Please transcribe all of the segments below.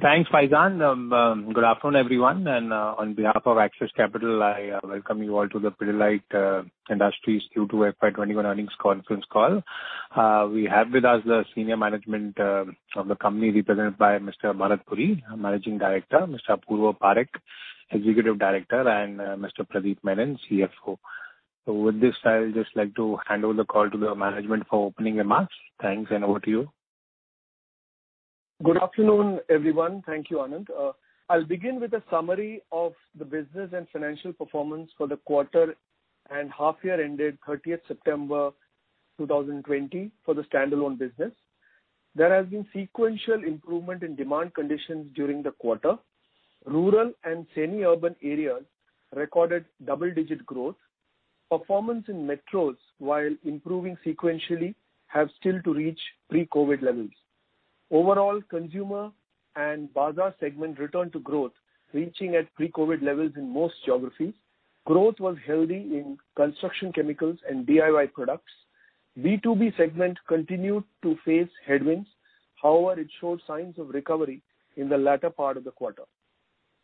Thanks, Faizan. Good afternoon, everyone. On behalf of Axis Capital, I welcome you all to the Pidilite Industries Q2 FY 2021 earnings conference call. We have with us the senior management of the company represented by Mr. Bharat Puri, Managing Director, Mr. Apurva Parekh, Executive Director, and Mr. Pradip Menon, CFO. With this, I would just like to hand over the call to the management for opening remarks. Thanks, over to you. Good afternoon, everyone. Thank you, Anand. I'll begin with a summary of the business and financial performance for the quarter and half year ended 30th September 2020 for the standalone business. There has been sequential improvement in demand conditions during the quarter. Rural and semi-urban areas recorded double-digit growth. Performance in metros, while improving sequentially, have still to reach pre-COVID levels. Overall, consumer and bazaar segment returned to growth, reaching at pre-COVID levels in most geographies. Growth was healthy in construction chemicals and DIY products. B2B segment continued to face headwinds. However, it showed signs of recovery in the latter part of the quarter.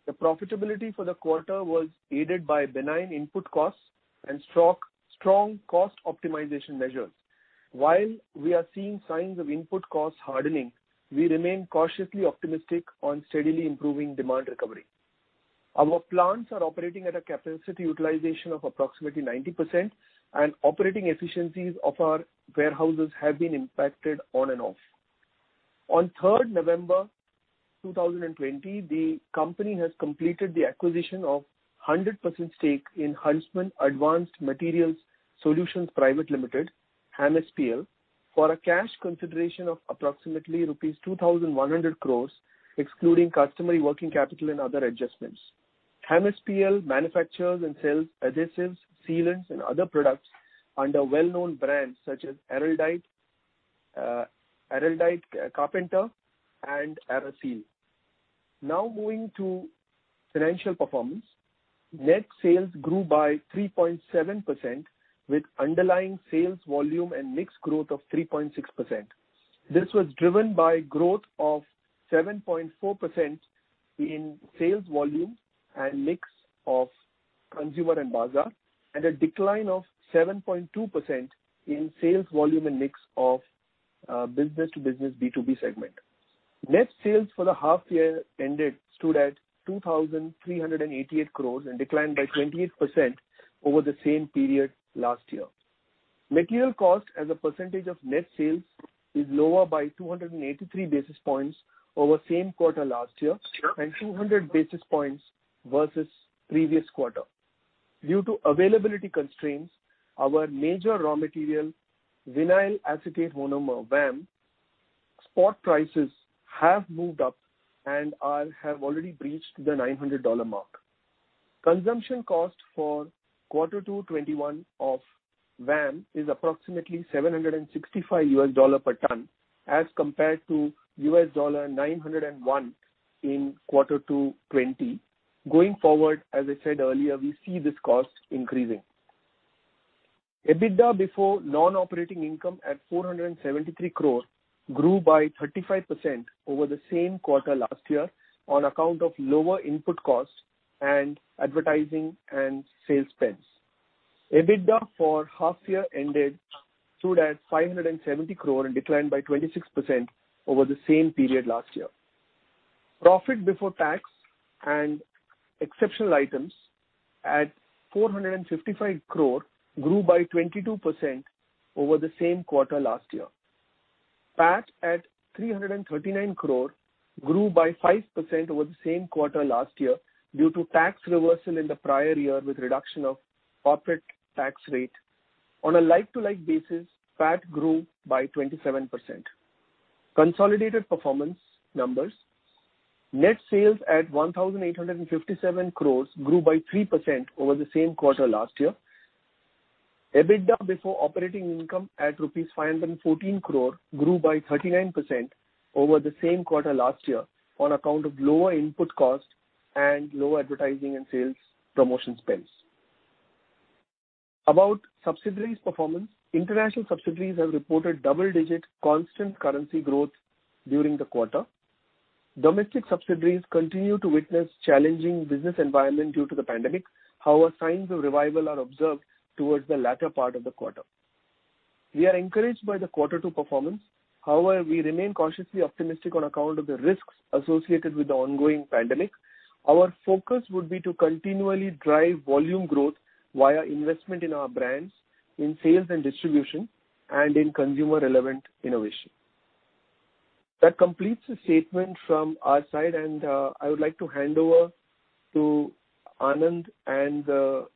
The profitability for the quarter was aided by benign input costs and strong cost optimization measures. While we are seeing signs of input costs hardening, we remain cautiously optimistic on steadily improving demand recovery. Our plants are operating at a capacity utilization of approximately 90%, and operating efficiencies of our warehouses have been impacted on and off. On 3rd November 2020, the company has completed the acquisition of 100% stake in Huntsman Advanced Materials Solutions Private Limited, HAMSPL, for a cash consideration of approximately rupees 2,100 crores, excluding customary working capital and other adjustments. HAMSPL manufactures and sells adhesives, sealants, and other products under well-known brands such as Araldite Karpenter, and Araseal. Now moving to financial performance. Net sales grew by 3.7%, with underlying sales volume and mix growth of 3.6%. This was driven by growth of 7.4% in sales volumes and mix of consumer and bazaar, and a decline of 7.2% in sales volume and mix of business-to-business, B2B segment. Net sales for the half year ended stood at 2,388 crores and declined by 28% over the same period last year. Material cost as a percentage of net sales is lower by 283 basis points over the same quarter last year and 200 basis points versus the previous quarter. Due to availability constraints, our major raw material, vinyl acetate monomer, VAM, spot prices have moved up and have already breached the $900 mark. Consumption cost for Q2/21 of VAM is approximately $765 per ton as compared to $901 in Q2/20. Going forward, as I said earlier, we see this cost increasing. EBITDA before non-operating income at 473 crores grew by 35% over the same quarter last year on account of lower input costs and advertising and sales spends. EBITDA for the half year ended stood at 570 crore and declined by 26% over the same period last year. Profit before tax and exceptional items at 455 crore grew by 22% over the same quarter last year. PAT at 339 crore grew by 5% over the same quarter last year due to tax reversal in the prior year with a reduction of corporate tax rate. On a like-to-like basis, PAT grew by 27%. Consolidated performance numbers. Net sales at 1,857 crore grew by 3% over the same quarter last year. EBITDA before operating income at rupees 514 crore grew by 39% over the same quarter last year on account of lower input costs and low advertising and sales promotion spends. About subsidiaries' performance. International subsidiaries have reported double-digit constant currency growth during the quarter. Domestic subsidiaries continue to witness a challenging business environment due to the pandemic. However, signs of revival are observed towards the latter part of the quarter. We are encouraged by the quarter two performance. However, we remain cautiously optimistic on account of the risks associated with the ongoing pandemic. Our focus would be to continually drive volume growth via investment in our brands, in sales and distribution, and in consumer-relevant innovation. That completes the statement from our side. I would like to hand over to Anand and the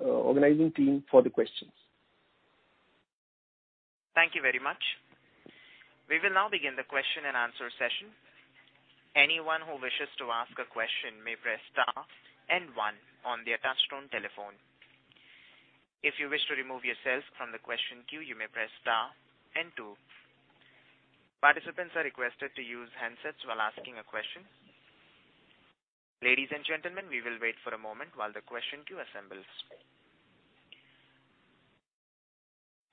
organizing team for the questions. Thank you very much. We will now begin the question and answer session. Anyone who wishes to ask a question may press star and one on their touchtone telephone. If you wish to remove yourself from the question queue, you may press star and two. Participants are requested to use handsets while asking a question. Ladies and gentlemen, we will wait for a moment while the question queue assembles.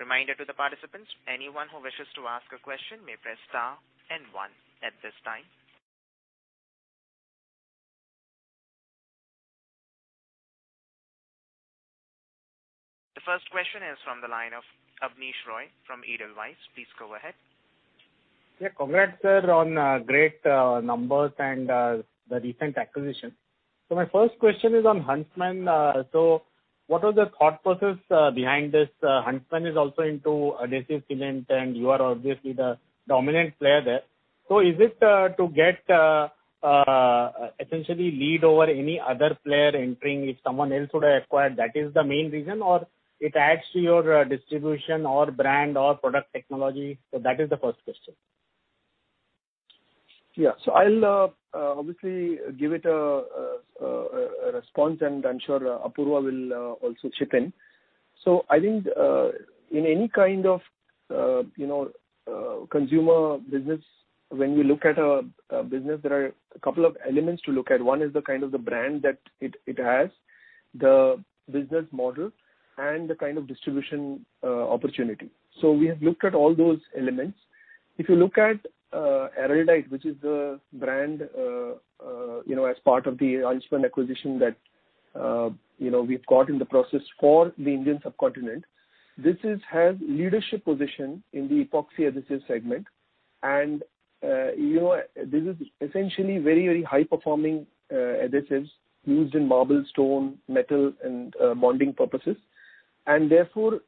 Reminder to the participants, anyone who wishes to ask a question may press star and one at this time. The first question is from the line of Abneesh Roy from Edelweiss. Please go ahead. Yeah. Congrats, sir, on great numbers and the recent acquisition. My first question is on Huntsman. What was the thought process behind this? Huntsman is also into adhesive sealant, and you are obviously the dominant player there. Is it to get essentially lead over any other player entering if someone else would have acquired, that is the main reason, or it adds to your distribution or brand or product technology? That is the first question. I'll obviously give it a response, and I'm sure Apurva will also chip in. I think in any kind of consumer business, when we look at a business, there are a couple of elements to look at. One is the kind of the brand that it has, the business model, and the kind of distribution opportunity. We have looked at all those elements. If you look at Araldite, which is the brand as part of the Huntsman acquisition that we've got in the process for the Indian subcontinent, this has leadership position in the epoxy adhesive segment. This is essentially very high-performing adhesives used in marble stone, metal, and bonding purposes. Therefore,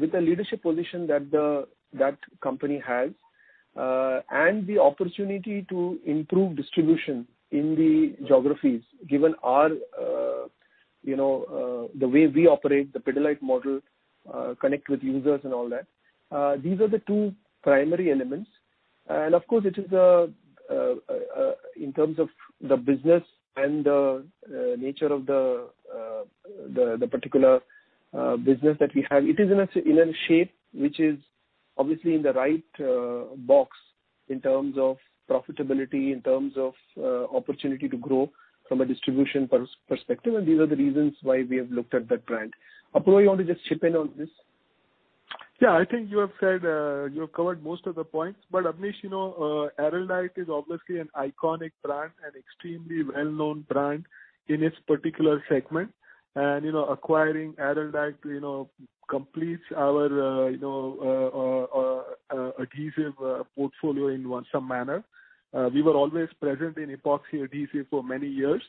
with the leadership position that that company has and the opportunity to improve distribution in the geographies, given the way we operate, the Pidilite model, connect with users and all that, these are the two primary elements. Of course, in terms of the business and the nature of the particular business that we have, it is in a shape which is obviously in the right box in terms of profitability, in terms of opportunity to grow from a distribution perspective, and these are the reasons why we have looked at that brand. Apurva, you want to just chip in on this? I think you have covered most of the points, Abneesh, Araldite is obviously an iconic brand, an extremely well-known brand in its particular segment. Acquiring Araldite completes our adhesive portfolio in some manner. We were always present in epoxy adhesive for many years,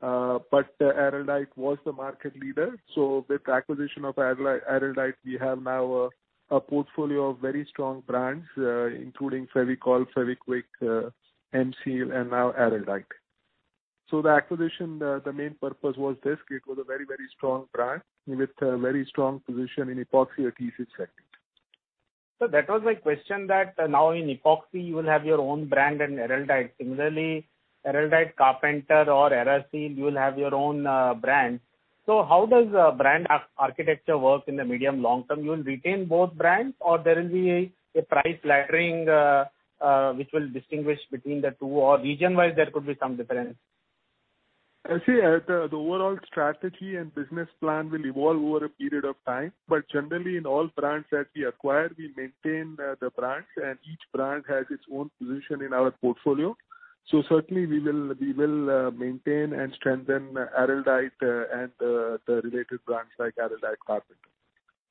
but Araldite was the market leader. With the acquisition of Araldite, we have now a portfolio of very strong brands, including Fevicol, Fevikwik, M-Seal, and now Araldite. The acquisition, the main purpose was this. It was a very strong brand with a very strong position in epoxy adhesive segment. That was my question that now in epoxy you will have your own brand and Araldite. Similarly, Araldite Karpenter or AeroSeal, you will have your own brand. How does brand architecture work in the medium long-term? You will retain both brands or there will be a price laddering, which will distinguish between the two, or region-wise, there could be some difference. The overall strategy and business plan will evolve over a period of time. Generally, in all brands that we acquire, we maintain the brands, and each brand has its own position in our portfolio. Certainly, we will maintain and strengthen Araldite and the related brands like Araldite Karpenter.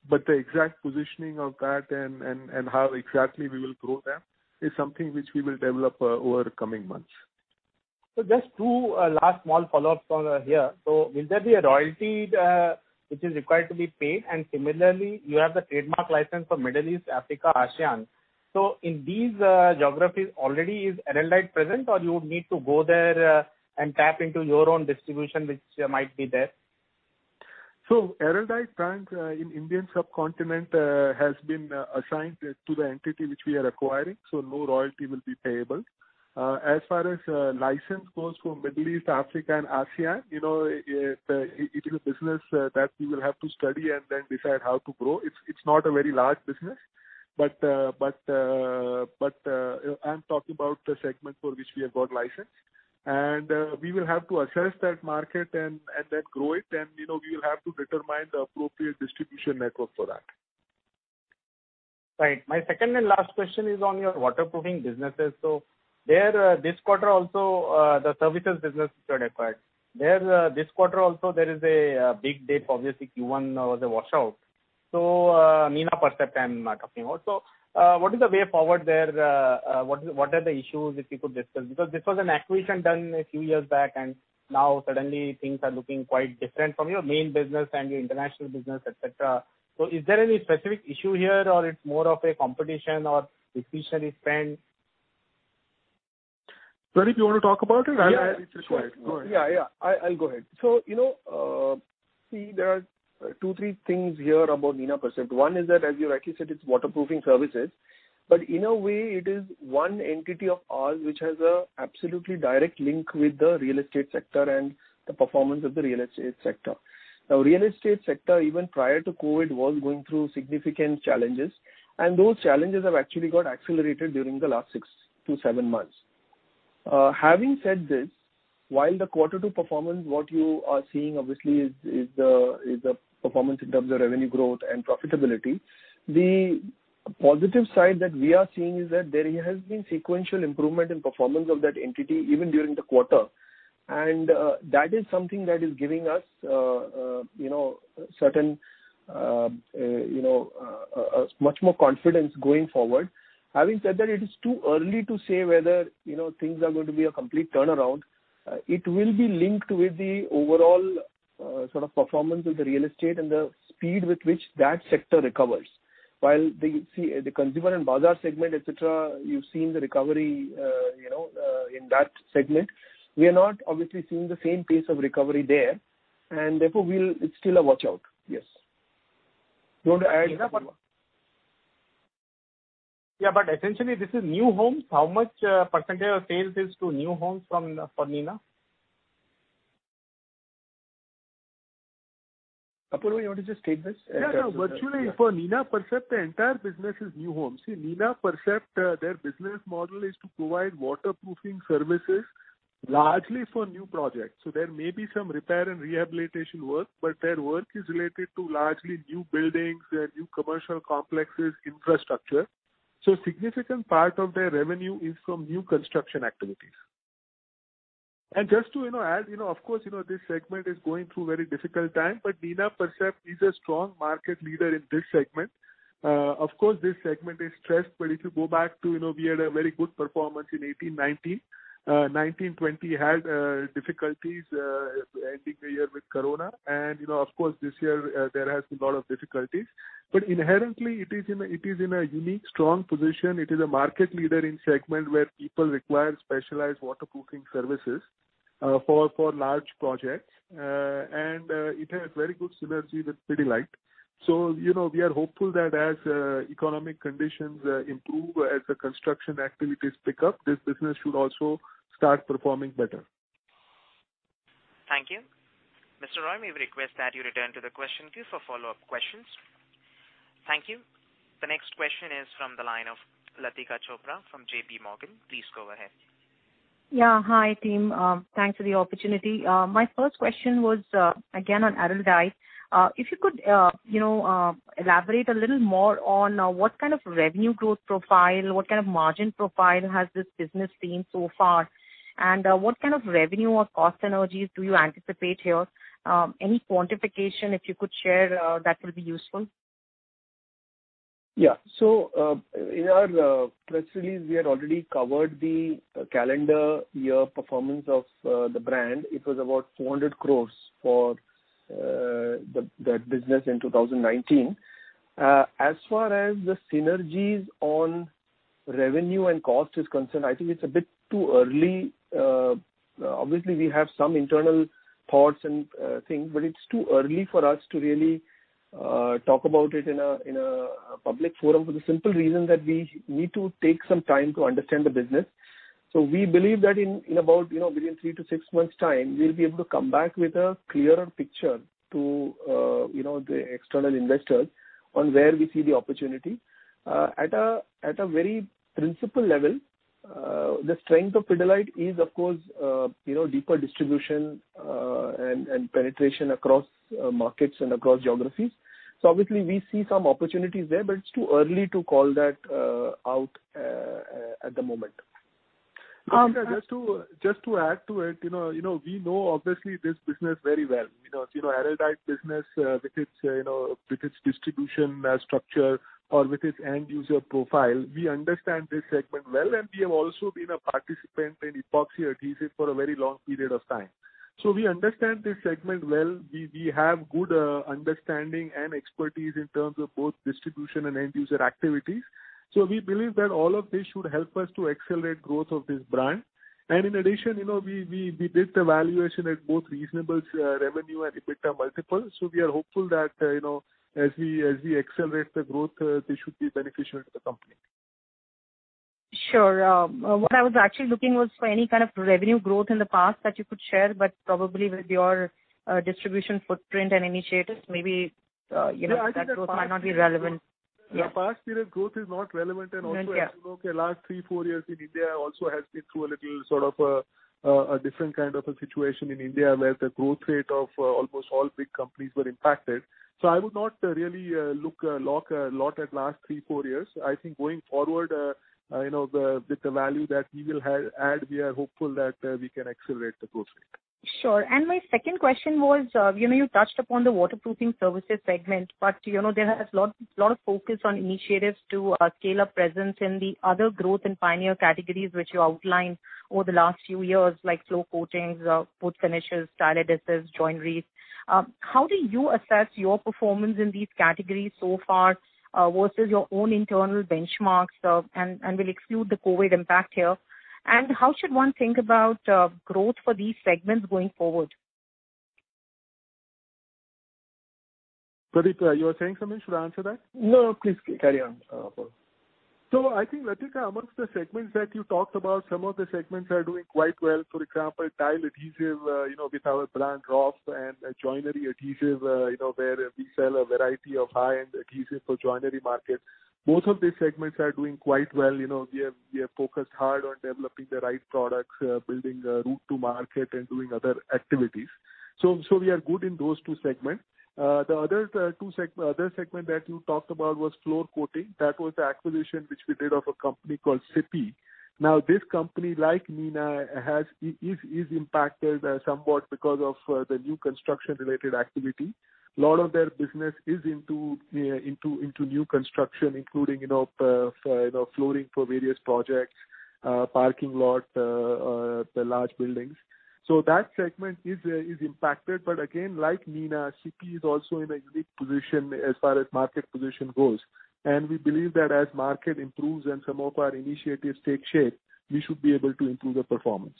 The exact positioning of that and how exactly we will grow them is something which we will develop over the coming months. Just to last small follow-ups from here. Will there be a royalty which is required to be paid? Similarly, you have the trademark license for Middle East, Africa, ASEAN. In these geographies already, is Araldite present, or you would need to go there and tap into your own distribution, which might be there? Araldite brand in Indian subcontinent has been assigned to the entity which we are acquiring, so no royalty will be payable. As far as license goes for Middle East, Africa, and ASEAN, it is a business that we will have to study and then decide how to grow. It's not a very large business. I'm talking about the segment for which we have got license. We will have to assess that market and then grow it, and we will have to determine the appropriate distribution network for that. Right. My second and last question is on your waterproofing businesses. There, this quarter also, the services business you had acquired. There, this quarter also, there is a big dip. Obviously, Q1 was a washout. Nina Percept I'm talking about. What is the way forward there? What are the issues, if you could discuss? This was an acquisition done a few years back, and now suddenly things are looking quite different from your main business and your international business, et cetera. Is there any specific issue here, or it's more of a competition or efficiently spent? Pradip, you want to talk about it? I'll just go ahead. Yeah. I'll go ahead. See, there are two, three things here about Nina Percept. One is that, as you rightly said, it's waterproofing services. In a way, it is one entity of ours which has a absolutely direct link with the real estate sector and the performance of the real estate sector. Real estate sector, even prior to COVID, was going through significant challenges, and those challenges have actually got accelerated during the last six to seven months. Having said this, while the quarter two performance, what you are seeing, obviously, is the performance in terms of revenue growth and profitability. The positive side that we are seeing is that there has been sequential improvement in performance of that entity even during the quarter. That is something that is giving us much more confidence going forward. Having said that, it is too early to say whether things are going to be a complete turnaround. It will be linked with the overall sort of performance of the real estate and the speed with which that sector recovers. While the consumer and bazaar segment, et cetera, you've seen the recovery in that segment. We are not obviously seeing the same pace of recovery there, and therefore it's still a watch-out. Yes. Do you want to add, Apurva? Yeah, essentially, this is new homes. How much % of sales is to new homes for Nina? Apurva, you want to just take this? Yeah. Virtually, for Nina Percept, the entire business is new homes. See, Nina Percept, their business model is to provide waterproofing services largely for new projects. There may be some repair and rehabilitation work, but their work is related to largely new buildings, new commercial complexes, infrastructure. A significant part of their revenue is from new construction activities. Just to add, of course, this segment is going through very difficult time, but Nina Percept is a strong market leader in this segment. Of course, this segment is stressed, but if you go back to, we had a very good performance in 2018/2019. 2019/2020 had difficulties ending the year with Corona. Of course, this year there has been lot of difficulties. Inherently, it is in a unique, strong position. It is a market leader in segment where people require specialized waterproofing services for large projects. It has very good synergy with Pidilite. We are hopeful that as economic conditions improve, as the construction activities pick up, this business should also start performing better. Thank you. Mr. Roy, may we request that you return to the question queue for follow-up questions. Thank you. The next question is from the line of Latika Chopra from JP Morgan. Please go ahead. Yeah. Hi, team. Thanks for the opportunity. My first question was, again, on Araldite. If you could elaborate a little more on what kind of revenue growth profile, what kind of margin profile has this business seen so far, and what kind of revenue or cost synergies do you anticipate here? Any quantification, if you could share, that will be useful. In our press release, we had already covered the calendar year performance of the brand. It was about 400 crore for that business in 2019. As far as the synergies on revenue and cost is concerned, I think it's a bit too early. Obviously, we have some internal thoughts and things. It's too early for us to really talk about it in a public forum for the simple reason that we need to take some time to understand the business. We believe that in about between 3 to 6 months' time, we'll be able to come back with a clearer picture to the external investors on where we see the opportunity. At a very principle level, the strength of Pidilite is, of course, deeper distribution and penetration across markets and across geographies. Obviously we see some opportunities there, but it's too early to call that out at the moment. Latika, just to add to it, we know, obviously, this business very well. Araldite business with its distribution structure or with its end user profile, we understand this segment well, and we have also been a participant in epoxy adhesive for a very long period of time. We understand this segment well. We have good understanding and expertise in terms of both distribution and end user activities. We believe that all of this should help us to accelerate growth of this brand. In addition, we did the valuation at both reasonable revenue and EBITDA multiples. We are hopeful that as we accelerate the growth, this should be beneficial to the company. Sure. What I was actually looking was for any kind of revenue growth in the past that you could share, but probably with your distribution footprint and initiatives, maybe that growth might not be relevant. Yeah. The past period growth is not relevant. Yeah I think the last three, four years in India also has been through a little sort of a different kind of a situation in India, where the growth rate of almost all big companies were impacted. I would not really look a lot at last three, four years. I think going forward with the value that we will add, we are hopeful that we can accelerate the growth rate. Sure. My second question was, you touched upon the waterproofing services segment, but there has lot of focus on initiatives to scale up presence in the other growth and pioneer categories which you outlined over the last few years, like floor coatings, wood finishes, tile adhesives, joineries. How do you assess your performance in these categories so far versus your own internal benchmarks? We'll exclude the COVID impact here. How should one think about growth for these segments going forward? Pradip, you were saying something? Should I answer that? No. Please carry on, Apurva. I think, Latika, amongst the segments that you talked about, some of the segments are doing quite well. For example, tile adhesive with our brand, Roff, and joinery adhesive where we sell a variety of high-end adhesive for joinery market. Both of these segments are doing quite well. We have focused hard on developing the right products, building route to market, and doing other activities. We are good in those two segments. The other segment that you talked about was floor coating. That was the acquisition which we did of a company called CIPY. This company, like Nina, is impacted somewhat because of the new construction-related activity. A lot of their business is into new construction, including flooring for various projects, parking lot, the large buildings. That segment is impacted, again, like Nina, CIPY is also in a unique position as far as market position goes, and we believe that as market improves and some of our initiatives take shape, we should be able to improve the performance.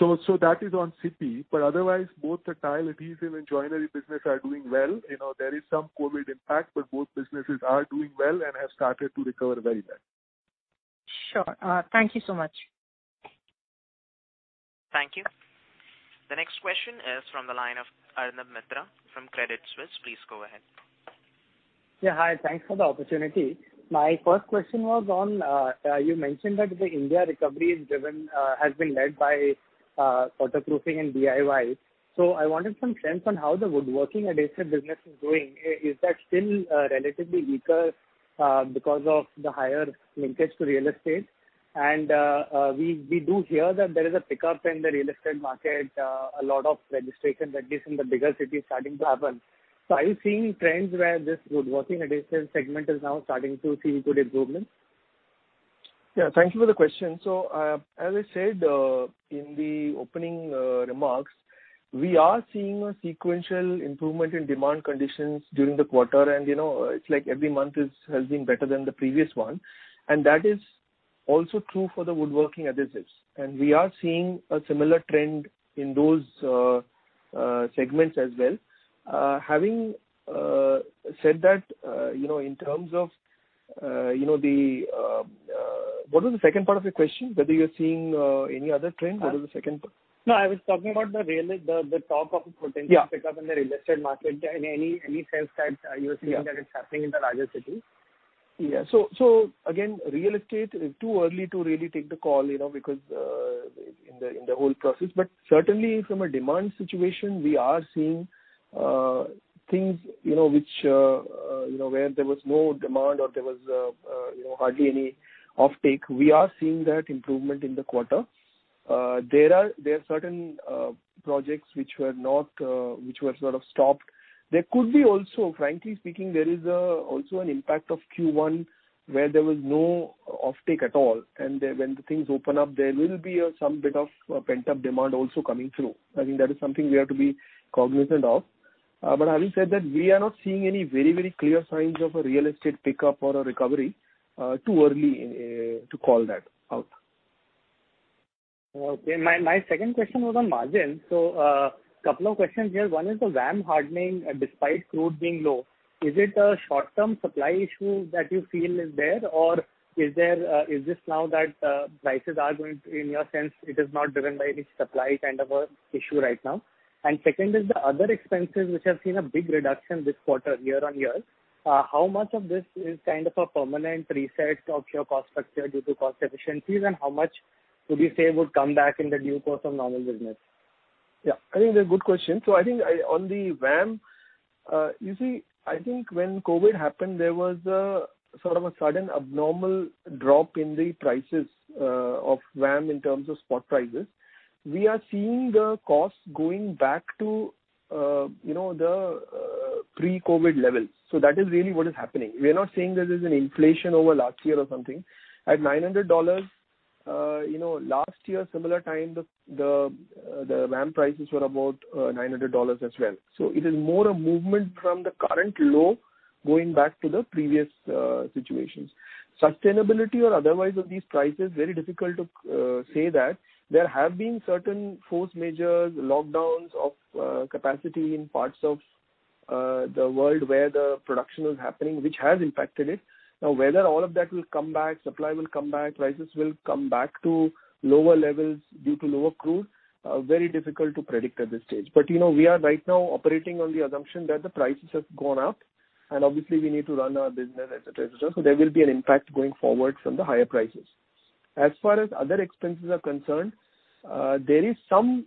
That is on CIPY, otherwise both the tile adhesive and joinery business are doing well. There is some COVID impact, both businesses are doing well and have started to recover very well. Sure. Thank you so much. Thank you. The next question is from the line of Arnab Mitra from Credit Suisse. Please go ahead. Yeah, hi. Thanks for the opportunity. My first question was on, you mentioned that the India recovery has been led by waterproofing and DIY. I wanted some trends on how the woodworking adhesive business is doing. Is that still relatively weaker because of the higher linkage to real estate? We do hear that there is a pickup in the real estate market, a lot of registration, at least in the bigger cities, starting to happen. Are you seeing trends where this woodworking adhesive segment is now starting to see good improvements? Thank you for the question. As I said in the opening remarks, we are seeing a sequential improvement in demand conditions during the quarter, and it's like every month has been better than the previous one, and that is also true for the woodworking adhesives. We are seeing a similar trend in those segments as well. Having said that, what was the second part of your question? Whether you are seeing any other trend? What was the second part? No, I was talking about the talk of a potential pickup. Yeah in the real estate market. Any sales types you are seeing that is happening in the larger cities? Again, real estate, it's too early to really take the call. Certainly from a demand situation, we are seeing things where there was no demand or there was hardly any offtake. We are seeing that improvement in the quarter. There are certain projects which were sort of stopped. There could be also, frankly speaking, there is also an impact of Q1 where there was no offtake at all, and when things open up, there will be some bit of pent-up demand also coming through. I think that is something we have to be cognizant of. Having said that, we are not seeing any very clear signs of a real estate pickup or a recovery. Too early to call that out. Okay. My second question was on margin. A couple of questions here. One is the VAM hardening, despite crude being low, is it a short-term supply issue that you feel is there, or is this now that prices are going to, in your sense, it is not driven by any supply kind of a issue right now? Second is the other expenses which have seen a big reduction this quarter year-on-year. How much of this is kind of a permanent reset of your cost structure due to cost efficiencies, and how much would you say would come back in the due course of normal business? Yeah, I think they're good questions. I think on the VAM, I think when COVID happened, there was a sort of a sudden abnormal drop in the prices of VAM in terms of spot prices. We are seeing the cost going back to the pre-COVID levels. That is really what is happening. We are not saying there is an inflation over last year or something. At $900, last year, similar time, the VAM prices were about $900 as well. It is more a movement from the current low going back to the previous situations. Sustainability or otherwise of these prices, very difficult to say that. There have been certain force majeure lockdowns of capacity in parts of the world where the production is happening, which has impacted it. Whether all of that will come back, supply will come back, prices will come back to lower levels due to lower crude, very difficult to predict at this stage. We are right now operating on the assumption that the prices have gone up, and obviously we need to run our business, et cetera. There will be an impact going forward from the higher prices. As far as other expenses are concerned, there is some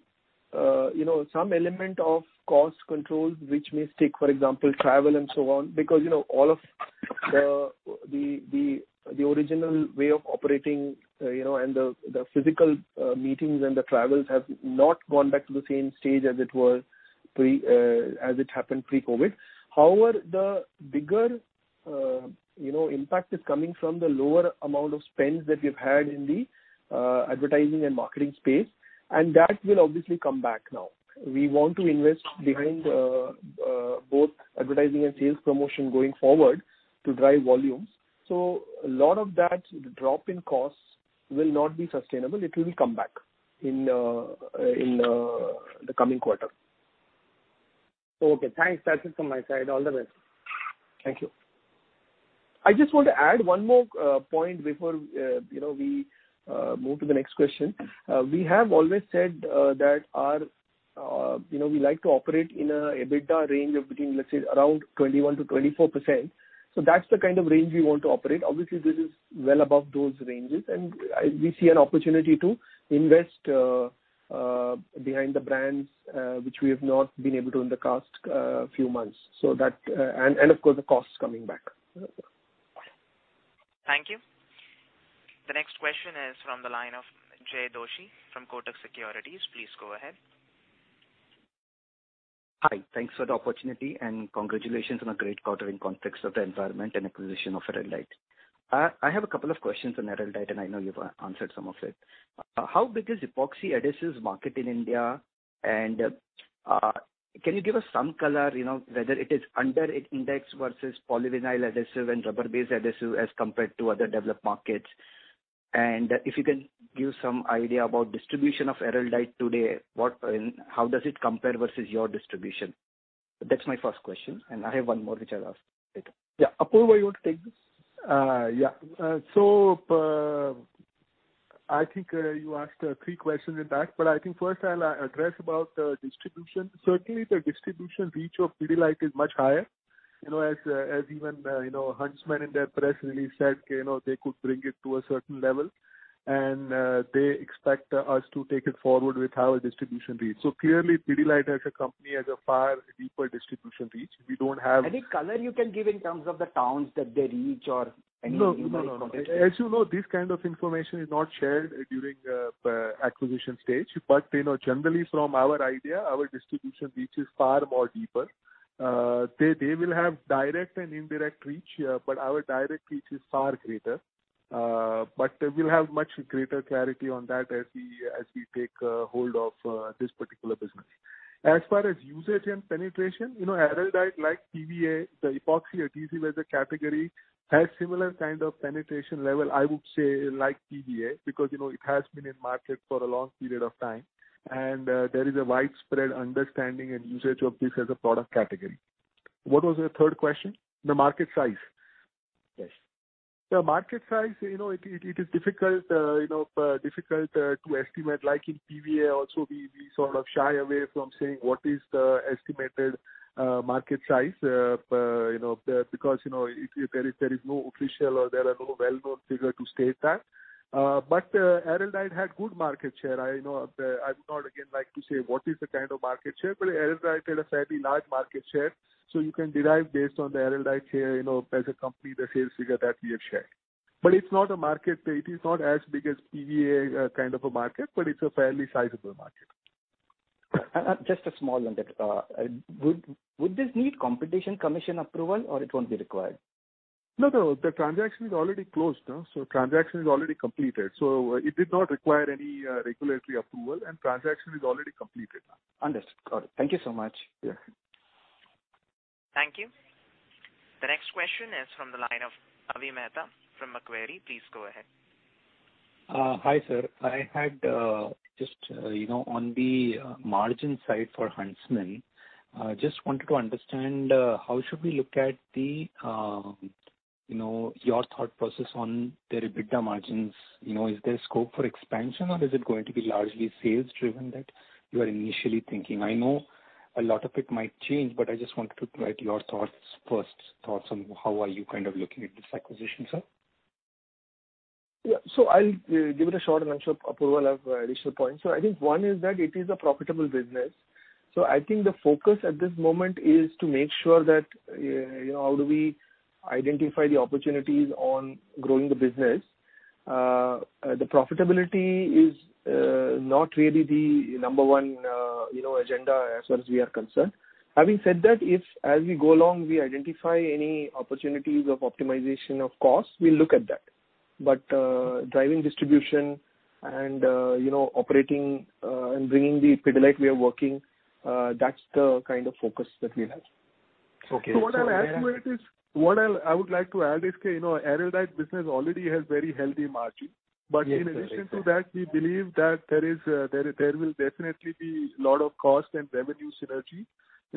element of cost control, which may take, for example, travel and so on, because all of the original way of operating and the physical meetings and the travels have not gone back to the same stage as it happened pre-COVID. The bigger impact is coming from the lower amount of spends that we've had in the advertising and marketing space, and that will obviously come back now. We want to invest behind both advertising and sales promotion going forward to drive volumes. A lot of that drop in costs will not be sustainable. It will come back in the coming quarter. Okay, thanks. That's it from my side. All the best. Thank you. I just want to add one more point before we move to the next question. We have always said that we like to operate in an EBITDA range of between, let's say, around 21%-24%. That's the kind of range we want to operate. Obviously, this is well above those ranges, and we see an opportunity to invest behind the brands which we have not been able to in the past few months. Of course, the costs coming back. Thank you. The next question is from the line of Jaykumar Doshi from Kotak Securities. Please go ahead. Hi. Thanks for the opportunity, and congratulations on a great quarter in context of the environment and acquisition of Araldite. I have a couple of questions on Araldite, and I know you've answered some of it. How big is epoxy adhesives market in India? Can you give us some color, whether it is under index versus polyvinyl adhesive and rubber-based adhesive as compared to other developed markets? If you can give some idea about distribution of Araldite today, how does it compare versus your distribution? That's my first question, and I have one more, which I'll ask later. Yeah. Apurva, you want to take this? I think you asked three questions in that, but I think first I'll address about distribution. Certainly, the distribution reach of Pidilite is much higher, as even Huntsman in their press release said, they could bring it to a certain level, and they expect us to take it forward with our distribution reach. Clearly, Pidilite as a company has a far deeper distribution reach. We don't have- Any color you can give in terms of the towns that they reach or any information? No. As you know, this kind of information is not shared during acquisition stage. Generally from our idea, our distribution reach is far more deeper. They will have direct and indirect reach, but our direct reach is far greater. We'll have much greater clarity on that as we take hold of this particular business. As far as usage and penetration, Araldite, like PVA, the epoxy adhesive as a category, has similar kind of penetration level, I would say, like PVA, because it has been in market for a long period of time, and there is a widespread understanding and usage of this as a product category. What was the third question? The market size. Yes. The market size, it is difficult to estimate. Like in PVA also, we sort of shy away from saying what is the estimated market size, because there is no official or there are no well-known figure to state that. Araldite had good market share. I would not again like to say what is the kind of market share, but Araldite had a fairly large market share. You can derive based on the Araldite share as a company, the sales figure that we have shared. It is not as big as PVA kind of a market, but it's a fairly sizable market. Just a small one. Would this need Competition Commission approval, or it won't be required? No. The transaction is already closed. Transaction is already completed, so it did not require any regulatory approval and transaction is already completed. Understood. Got it. Thank you so much. Yeah. Thank you. The next question is from the line of Avi Mehta from Macquarie. Please go ahead. Hi, sir. On the margin side for Huntsman, just wanted to understand how should we look at your thought process on their EBITDA margins. Is there scope for expansion or is it going to be largely sales driven that you are initially thinking? I know a lot of it might change, but I just wanted to get your first thoughts on how are you kind of looking at this acquisition, sir? Yeah. I'll give it a shot, and I'm sure Apurva will have additional points. I think one is that it is a profitable business. I think the focus at this moment is to make sure that how do we identify the opportunities on growing the business. The profitability is not really the number one agenda as far as we are concerned. Having said that, if as we go along, we identify any opportunities of optimization of cost, we'll look at that. Driving distribution and operating and bringing the Pidilite way of working, that's the kind of focus that we'll have. Okay. What I would like to add is, Araldite business already has very healthy margin. In addition to that, we believe that there will definitely be lot of cost and revenue synergy.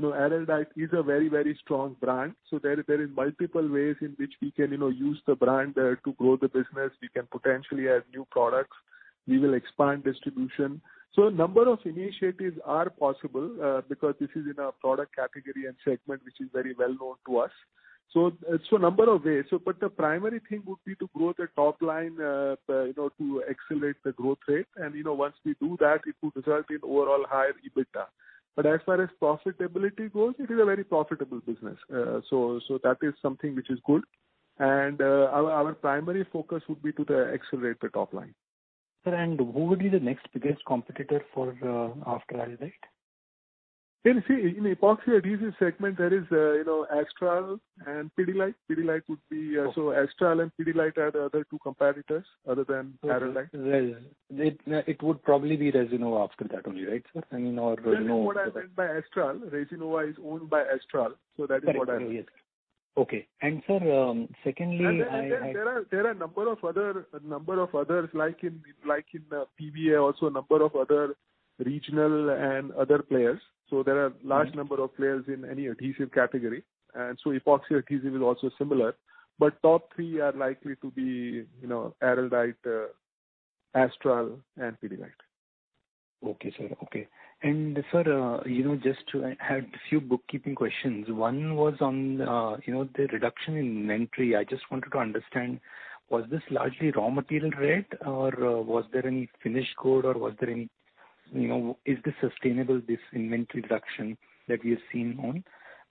Araldite is a very strong brand, there is multiple ways in which we can use the brand to grow the business. We can potentially add new products. We will expand distribution. A number of initiatives are possible because this is in our product category and segment, which is very well known to us. Number of ways. The primary thing would be to grow the top line to accelerate the growth rate. Once we do that, it will result in overall higher EBITDA. As far as profitability goes, it is a very profitable business. That is something which is good. Our primary focus would be to accelerate the top line. Sir, who would be the next biggest competitor after Araldite? In epoxy adhesive segment, there is Astral and Pidilite. Astral and Pidilite are the other two competitors other than Araldite. It would probably be Resinova after that only, right, sir? I mean. What I meant by Astral, Resinova is owned by Astral, so that is what I meant. Correct. Yes. Okay. Sir, secondly, There are number of others, like in PVA also, number of other. Regional and other players. There are large number of players in any adhesive category. epoxy adhesive is also similar, but top three are likely to be Araldite, Astral, and Pidilite. Okay, sir. Sir, just to add a few bookkeeping questions. One was on the reduction in inventory. I just wanted to understand, was this largely raw material rate or was there any finished good or is this sustainable, this inventory reduction that we have seen on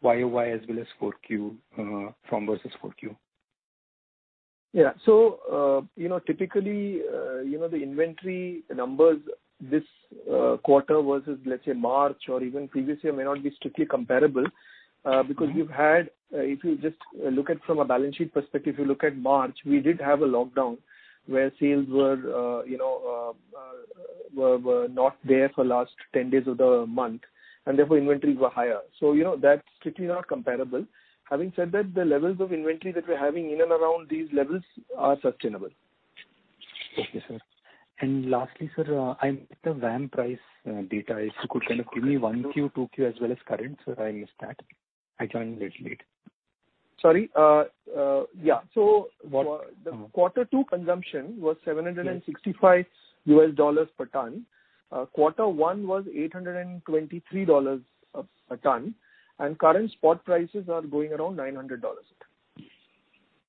year-over-year as well as from versus 4Q? Typically, the inventory numbers this quarter versus, let's say, March or even previous year, may not be strictly comparable because if you just look at from a balance sheet perspective, if you look at March, we did have a lockdown where sales were not there for last 10 days of the month and therefore inventories were higher. That's strictly not comparable. Having said that, the levels of inventory that we're having in and around these levels are sustainable. Okay, sir. Lastly, sir, I missed the VAM price data. If you could kind of give me 1Q, 2Q as well as current, sir, I missed that. I joined a little late. Sorry. Yeah. The quarter two consumption was $765 per ton, quarter one was $823 a ton, and current spot prices are going around $900.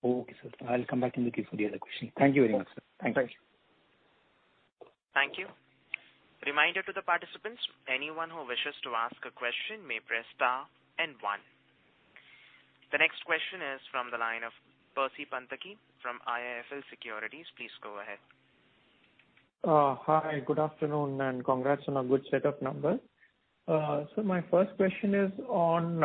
Okay, sir. I will come back in the queue for the other question. Thank you very much, sir. Thanks. Thank you. Reminder to the participants, anyone who wishes to ask a question may press star and one. The next question is from the line of Percy Panthaki from IIFL Securities. Please go ahead. Hi, good afternoon. Congrats on a good set of numbers. My first question is on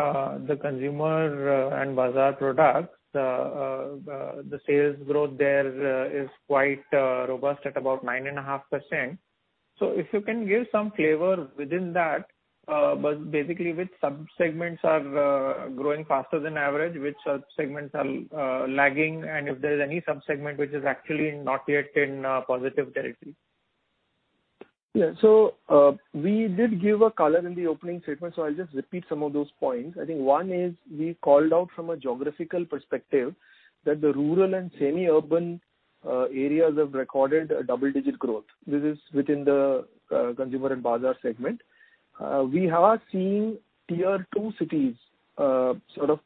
the consumer and bazaar products. The sales growth there is quite robust at about 9.5%. If you can give some flavor within that. Basically, which sub-segments are growing faster than average, which sub-segments are lagging, and if there's any sub-segment which is actually not yet in positive territory? Yeah. We did give a color in the opening statement, I'll just repeat some of those points. I think one is, we called out from a geographical perspective that the rural and semi-urban areas have recorded a double-digit growth. This is within the consumer and bazaar segment. We are seeing tier two cities, sort of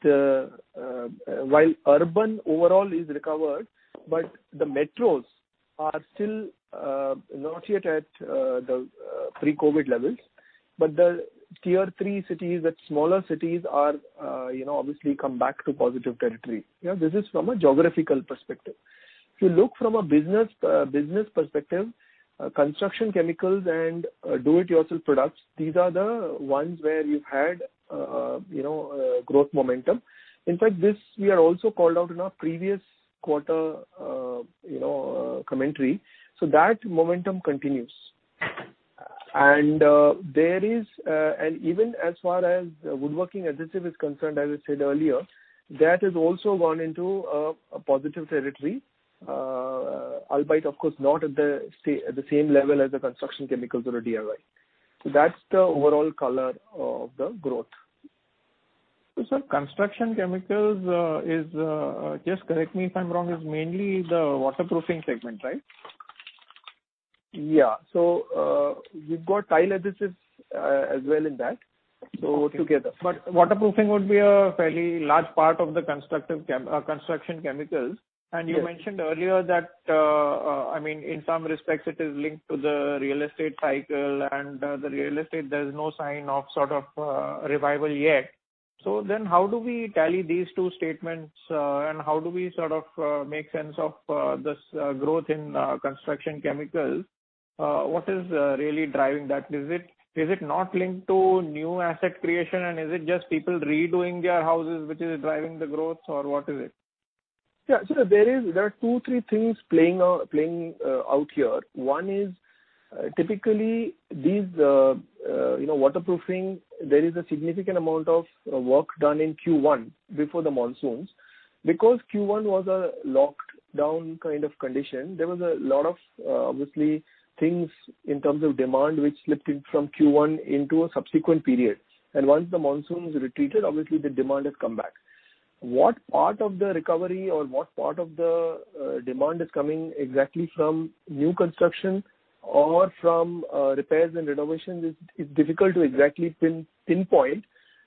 while urban overall is recovered, but the metros are still not yet at the pre-COVID levels. The tier three cities, the smaller cities, obviously come back to positive territory. This is from a geographical perspective. If you look from a business perspective, construction chemicals and do-it-yourself products, these are the ones where you've had growth momentum. In fact, this we had also called out in our previous quarter commentary. That momentum continues. Even as far as woodworking adhesive is concerned, as I said earlier, that has also gone into a positive territory. Albeit, of course, not at the same level as the construction chemicals or the DIY. That's the overall color of the growth. Sir, construction chemicals, just correct me if I'm wrong, is mainly the waterproofing segment, right? Yeah. You've got tile adhesives as well in that. Together. Waterproofing would be a fairly large part of the construction chemicals. Yes. You mentioned earlier that, in some respects, it is linked to the real estate cycle, and the real estate, there's no sign of sort of revival yet. How do we tally these two statements and how do we sort of make sense of this growth in construction chemicals? What is really driving that? Is it not linked to new asset creation and is it just people redoing their houses which is driving the growth or what is it? Yeah. There are two, three things playing out here. One is, typically, these waterproofing, there is a significant amount of work done in Q1 before the monsoons. Because Q1 was a lockdown kind of condition, there was a lot of, obviously, things in terms of demand which slipped in from Q1 into a subsequent period. Once the monsoons retreated, obviously the demand has come back. What part of the recovery or what part of the demand is coming exactly from new construction or from repairs and renovations is difficult to exactly pinpoint.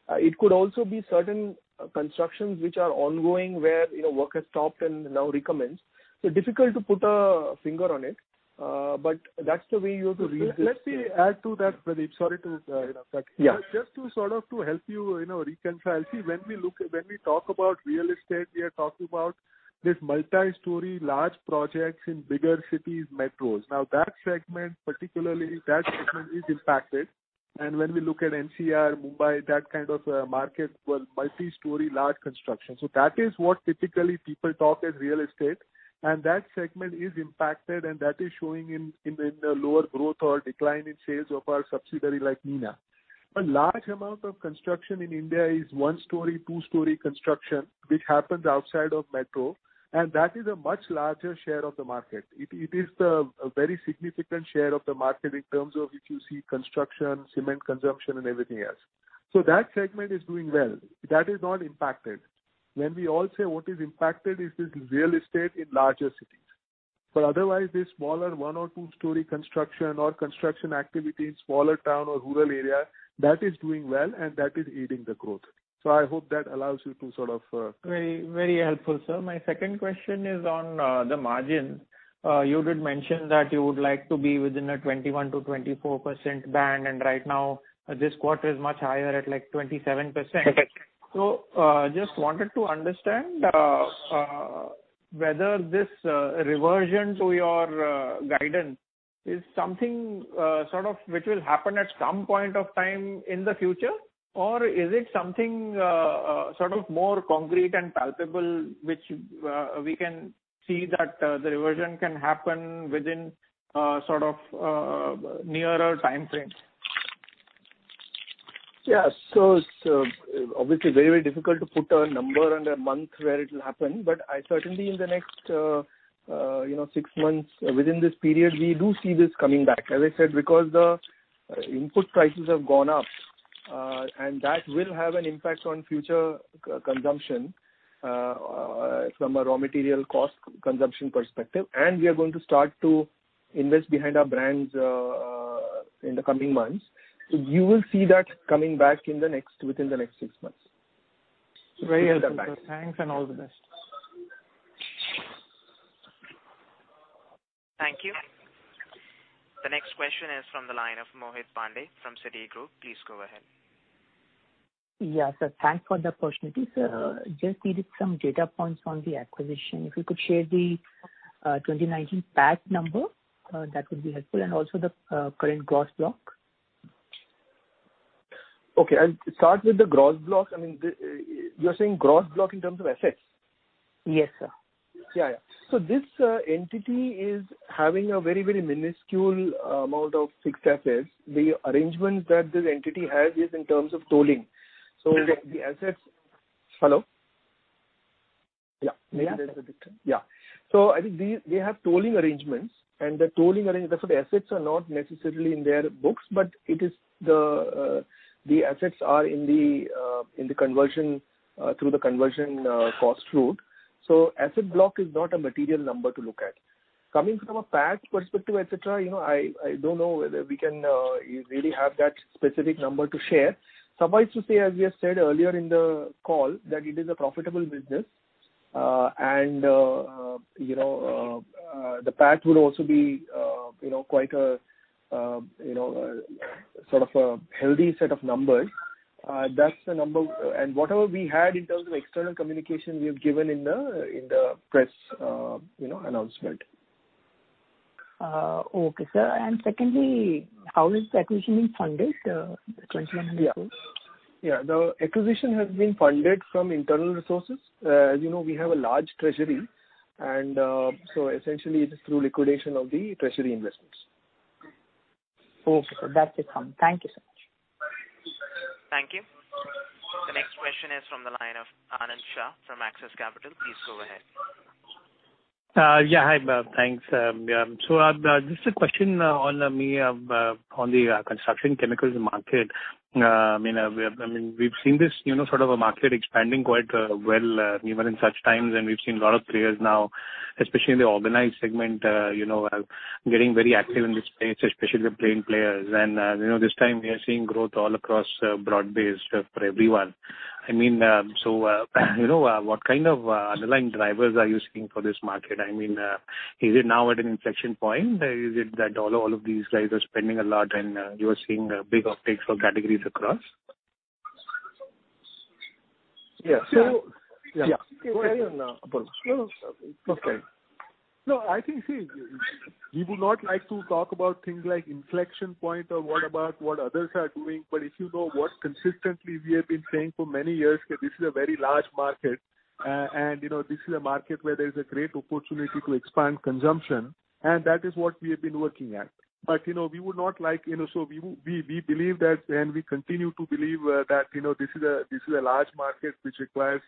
It could also be certain constructions which are ongoing, where work has stopped and now recommenced. Difficult to put a finger on it. That's the way you have to read this. Let me add to that, Pradip. Sorry to interrupt you. Yeah. Just to sort of help you reconcile. When we talk about real estate, we are talking about these multi-story, large projects in bigger cities, metros. That segment, particularly that segment is impacted. When we look at NCR, Mumbai, that kind of market was multi-story, large construction. That is what typically people talk as real estate, and that segment is impacted and that is showing in the lower growth or decline in sales of our subsidiary like Nina. A large amount of construction in India is one story, two story construction, which happens outside of metro, and that is a much larger share of the market. It is a very significant share of the market in terms of if you see construction, cement consumption, and everything else. That segment is doing well. That is not impacted. When we all say what is impacted, is this real estate in larger cities. Otherwise, this smaller one or two storey construction or construction activity in smaller town or rural area, that is doing well, and that is aiding the growth. I hope that allows you. Very helpful, sir. My second question is on the margin. You did mention that you would like to be within a 21%-24% band, and right now this quarter is much higher at 27%. Okay. Just wanted to understand whether this reversion to your guidance is something which will happen at some point of time in the future, or is it something more concrete and palpable, which we can see that the reversion can happen within nearer time frames? Yes. Obviously very difficult to put a number and a month where it will happen, but certainly in the next six months, within this period, we do see this coming back. As I said, because the input prices have gone up, and that will have an impact on future consumption from a raw material cost consumption perspective. We are going to start to invest behind our brands in the coming months. You will see that coming back within the next six months. Very helpful, sir. Thanks and all the best. Thank you. The next question is from the line of Mohit Pandey from Citigroup. Please go ahead. Yes, sir. Thanks for the opportunity, sir. Just needed some data points on the acquisition. If you could share the 2019 PAT number, that would be helpful, and also the current gross block. Okay. I'll start with the gross block. You're saying gross block in terms of assets? Yes, sir. Yeah. This entity is having a very minuscule amount of fixed assets. The arrangement that this entity has is in terms of tolling. The assets Hello? Yeah. I think they have tolling arrangements, and the assets are not necessarily in their books, but the assets are through the conversion cost route. Asset block is not a material number to look at. Coming from a PAT perspective, et cetera, I don't know whether we can really have that specific number to share. Suffice to say, as we have said earlier in the call, that it is a profitable business. The PAT would also be quite a healthy set of numbers. Whatever we had in terms of external communication, we have given in the press announcement. Okay, sir. Secondly, how is the acquisition being funded? The 2,100 crores. Yeah. The acquisition has been funded from internal resources. As you know, we have a large treasury, and so essentially it is through liquidation of the treasury investments. Okay, sir. That's it from me. Thank you so much. Thank you. The next question is from the line of Anand Shah from Axis Capital. Please go ahead. Yeah. Hi. Thanks. Just a question on the construction chemicals market. We've seen this sort of a market expanding quite well even in such times, and we've seen a lot of players now, especially in the organized segment getting very active in this space, especially the paint players. This time we are seeing growth all across broad-based for everyone. What kind of underlying drivers are you seeing for this market? Is it now at an inflection point? Is it that all of these guys are spending a lot and you are seeing big uptakes for categories across? Yeah. Yeah. Go ahead, Anand. Sorry, Anand. Okay. No, I think, see, we would not like to talk about things like inflection point or what about what others are doing. If you know what consistently we have been saying for many years, that this is a very large market, and this is a market where there is a great opportunity to expand consumption, and that is what we have been working at. We believe that, and we continue to believe that this is a large market which requires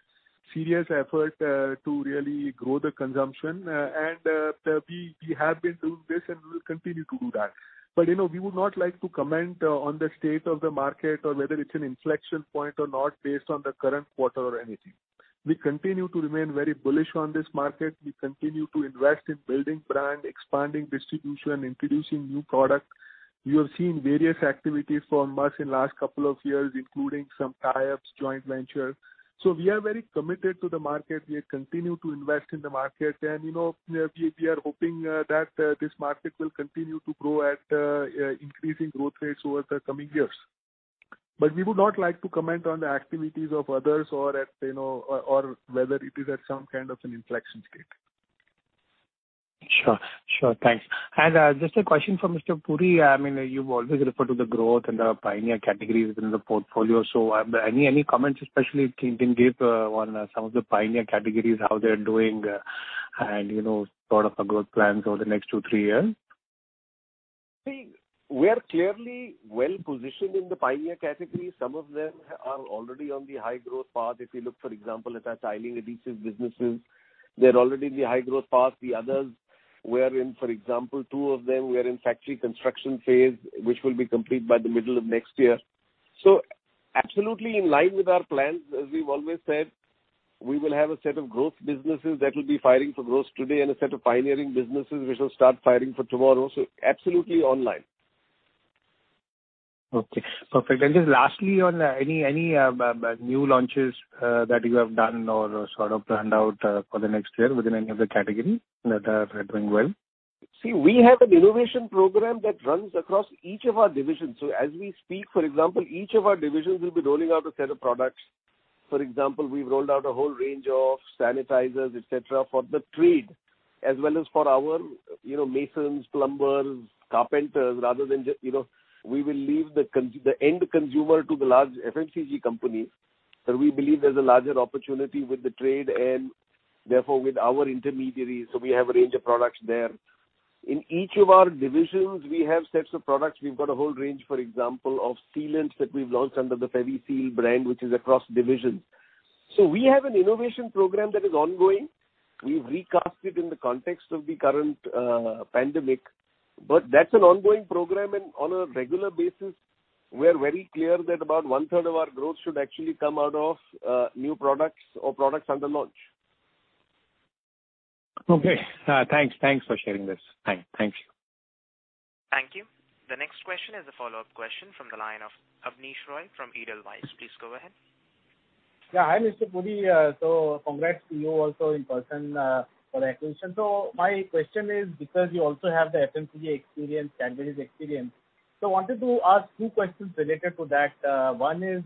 serious effort to really grow the consumption. We have been doing this, and we will continue to do that. We would not like to comment on the state of the market or whether it is an inflection point or not based on the current quarter or anything. We continue to remain very bullish on this market. We continue to invest in building brand, expanding distribution, introducing new product. You have seen various activities from us in last couple of years, including some tie-ups, joint ventures. We are very committed to the market. We continue to invest in the market. We are hoping that this market will continue to grow at increasing growth rates over the coming years. We would not like to comment on the activities of others or whether it is at some kind of an inflection state. Sure. Thanks. Just a question for Mr. Puri. You've always referred to the growth in the pioneer categories within the portfolio. Any comments, especially if you can give on some of the pioneer categories, how they're doing? Sort of growth plans over the next two, three years. See, we are clearly well-positioned in the pioneer category. Some of them are already on the high growth path. If you look, for example, at our tiling adhesive businesses, they're already in the high growth path. The others, for example, two of them, we are in factory construction phase, which will be complete by the middle of next year. Absolutely in line with our plans, as we've always said, we will have a set of growth businesses that will be firing for growth today and a set of pioneering businesses which will start firing for tomorrow. Absolutely in line. Okay. Perfect. Just lastly, on any new launches that you have done or sort of planned out for the next year within any of the categories that are doing well? See, we have an innovation program that runs across each of our divisions. As we speak, for example, each of our divisions will be rolling out a set of products. For example, we've rolled out a whole range of sanitizers, et cetera, for the trade as well as for our masons, plumbers, carpenters. We will leave the end consumer to the large FMCG companies. We believe there's a larger opportunity with the trade and therefore with our intermediaries. We have a range of products there. In each of our divisions, we have sets of products. We've got a whole range, for example, of sealants that we've launched under the Feviseal brand, which is across divisions. We have an innovation program that is ongoing. We've recasted in the context of the current pandemic, but that's an ongoing program and on a regular basis, we're very clear that about one-third of our growth should actually come out of new products or products under launch. Okay. Thanks for sharing this. Thank you. Thank you. The next question is a follow-up question from the line of Abneesh Roy from Edelweiss. Please go ahead. Yeah. Hi, Mr. Puri. Congrats to you also in person for the acquisition. My question is because you also have the FMCG experience, Cadbury experience. Wanted to ask two questions related to that. One is,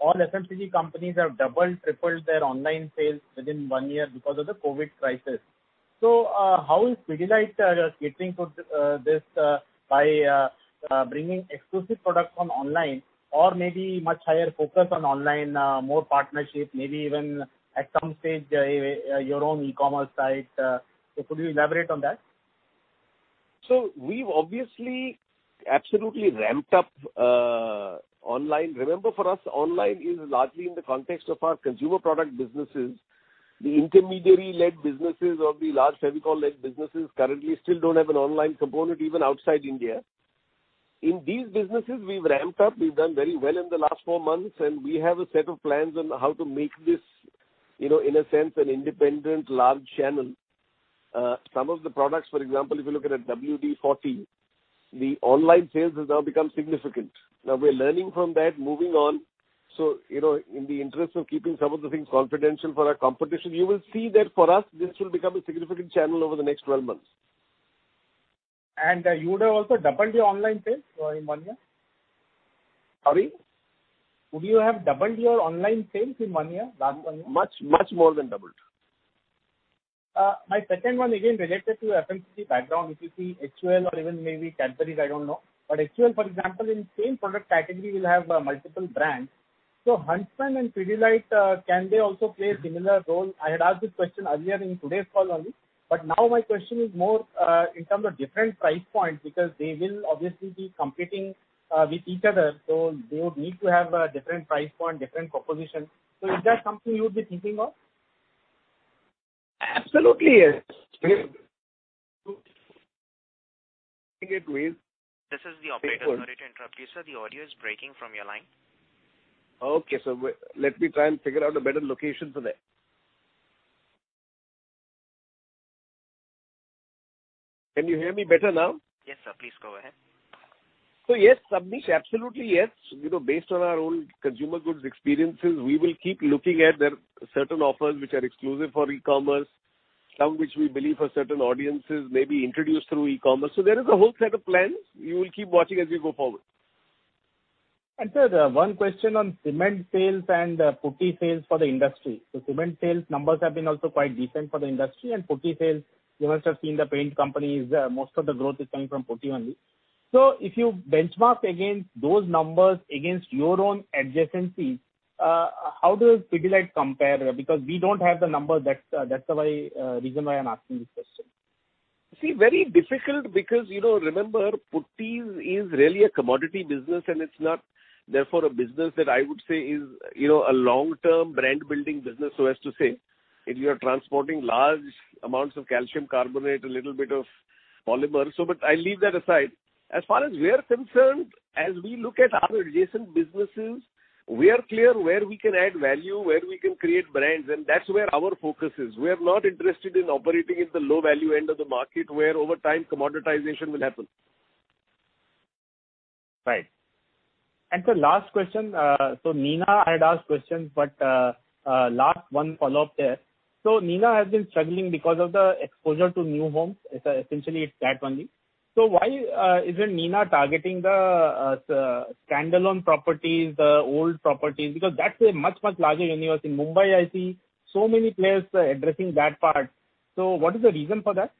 all FMCG companies have doubled, tripled their online sales within one year because of the COVID crisis. How is Pidilite catering to this by bringing exclusive products on online or maybe much higher focus on online, more partnership, maybe even at some stage, your own e-commerce site. Could you elaborate on that? We've obviously absolutely ramped up online. Remember, for us, online is largely in the context of our consumer product businesses. The intermediary-led businesses or the large Fevicol-led businesses currently still don't have an online component, even outside India. In these businesses, we've ramped up. We've done very well in the last four months, we have a set of plans on how to make this, in a sense, an independent large channel. Some of the products, for example, if you look at WD-40, the online sales has now become significant. We're learning from that, moving on. In the interest of keeping some of the things confidential for our competition, you will see that for us, this will become a significant channel over the next 12 months. You would have also doubled your online sales in one year? Sorry? Would you have doubled your online sales in one year? Last one year. Much more than doubled. My second one, again, related to FMCG background, if you see HUL or even maybe Cadbury, I don't know. HUL, for example, in same product category will have multiple brands. Huntsman and Pidilite, can they also play a similar role? I had asked this question earlier in today's call only. Now my question is more in terms of different price points, because they will obviously be competing with each other. They would need to have a different price point, different proposition. Is that something you'd be thinking of? Absolutely, yes. This is the operator. Sorry to interrupt you, sir. The audio is breaking from your line. Okay. Let me try and figure out a better location for that. Can you hear me better now? Yes, sir. Please go ahead. Yes, Abneesh, absolutely yes. Based on our own consumer goods experiences, we will keep looking at certain offers which are exclusive for e-commerce, some which we believe are certain audiences may be introduced through e-commerce. There is a whole set of plans you will keep watching as we go forward. Sir, one question on cement sales and putty sales for the industry. The cement sales numbers have been also quite decent for the industry, and putty sales, you must have seen the paint companies, most of the growth is coming from putty only. If you benchmark against those numbers against your own adjacencies, how does Pidilite compare? We don't have the numbers, that's the reason why I'm asking this question. See, very difficult because remember, putty is really a commodity business, and it's not, therefore, a business that I would say is a long-term brand building business, so as to say. If you are transporting large amounts of calcium carbonate, a little bit of polymer. I leave that aside. As far as we are concerned, as we look at our adjacent businesses, we are clear where we can add value, where we can create brands, and that's where our focus is. We are not interested in operating at the low-value end of the market where over time, commoditization will happen. Right. Sir, last question. Nina had asked questions, but last one follow-up there. Nina has been struggling because of the exposure to new homes. Essentially, it's that only. Why isn't Nina targeting the standalone properties, the old properties? Because that's a much, much larger universe. In Mumbai, I see so many players addressing that part. What is the reason for that?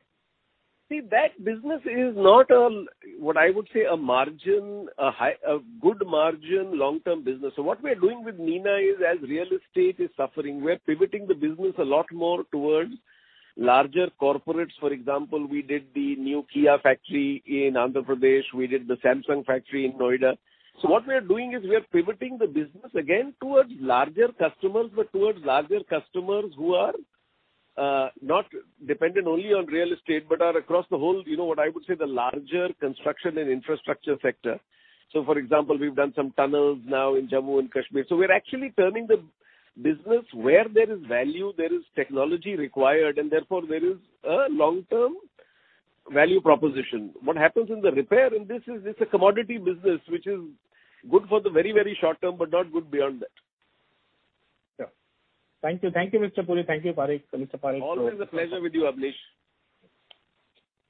See, that business is not what I would say, a good margin long-term business. What we are doing with Nina is, as real estate is suffering, we're pivoting the business a lot more towards larger corporates. For example, we did the new Kia factory in Andhra Pradesh, we did the Samsung factory in Noida. What we are doing is we are pivoting the business again towards larger customers, but towards larger customers who are not dependent only on real estate, but are across the whole, what I would say, the larger construction and infrastructure sector. For example, we've done some tunnels now in Jammu and Kashmir. We're actually turning the business where there is value, there is technology required, and therefore there is a long-term value proposition. What happens in the repair, and this is a commodity business which is good for the very short term, but not good beyond that. Yeah. Thank you, Mr. Puri. Thank you, Mr. Parekh. Always a pleasure with you, Abneesh.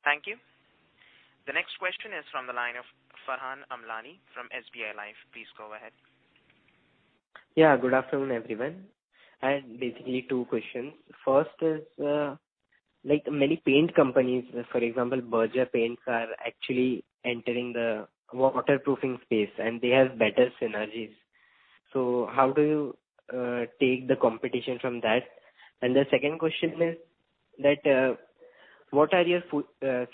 Thank you. The next question is from the line of Farhan Amlani from SBI Life. Please go ahead. Yeah, good afternoon, everyone. I have basically two questions. First is, like many paint companies, for example, Berger Paints are actually entering the waterproofing space, and they have better synergies. How do you take the competition from that? The second question is what are your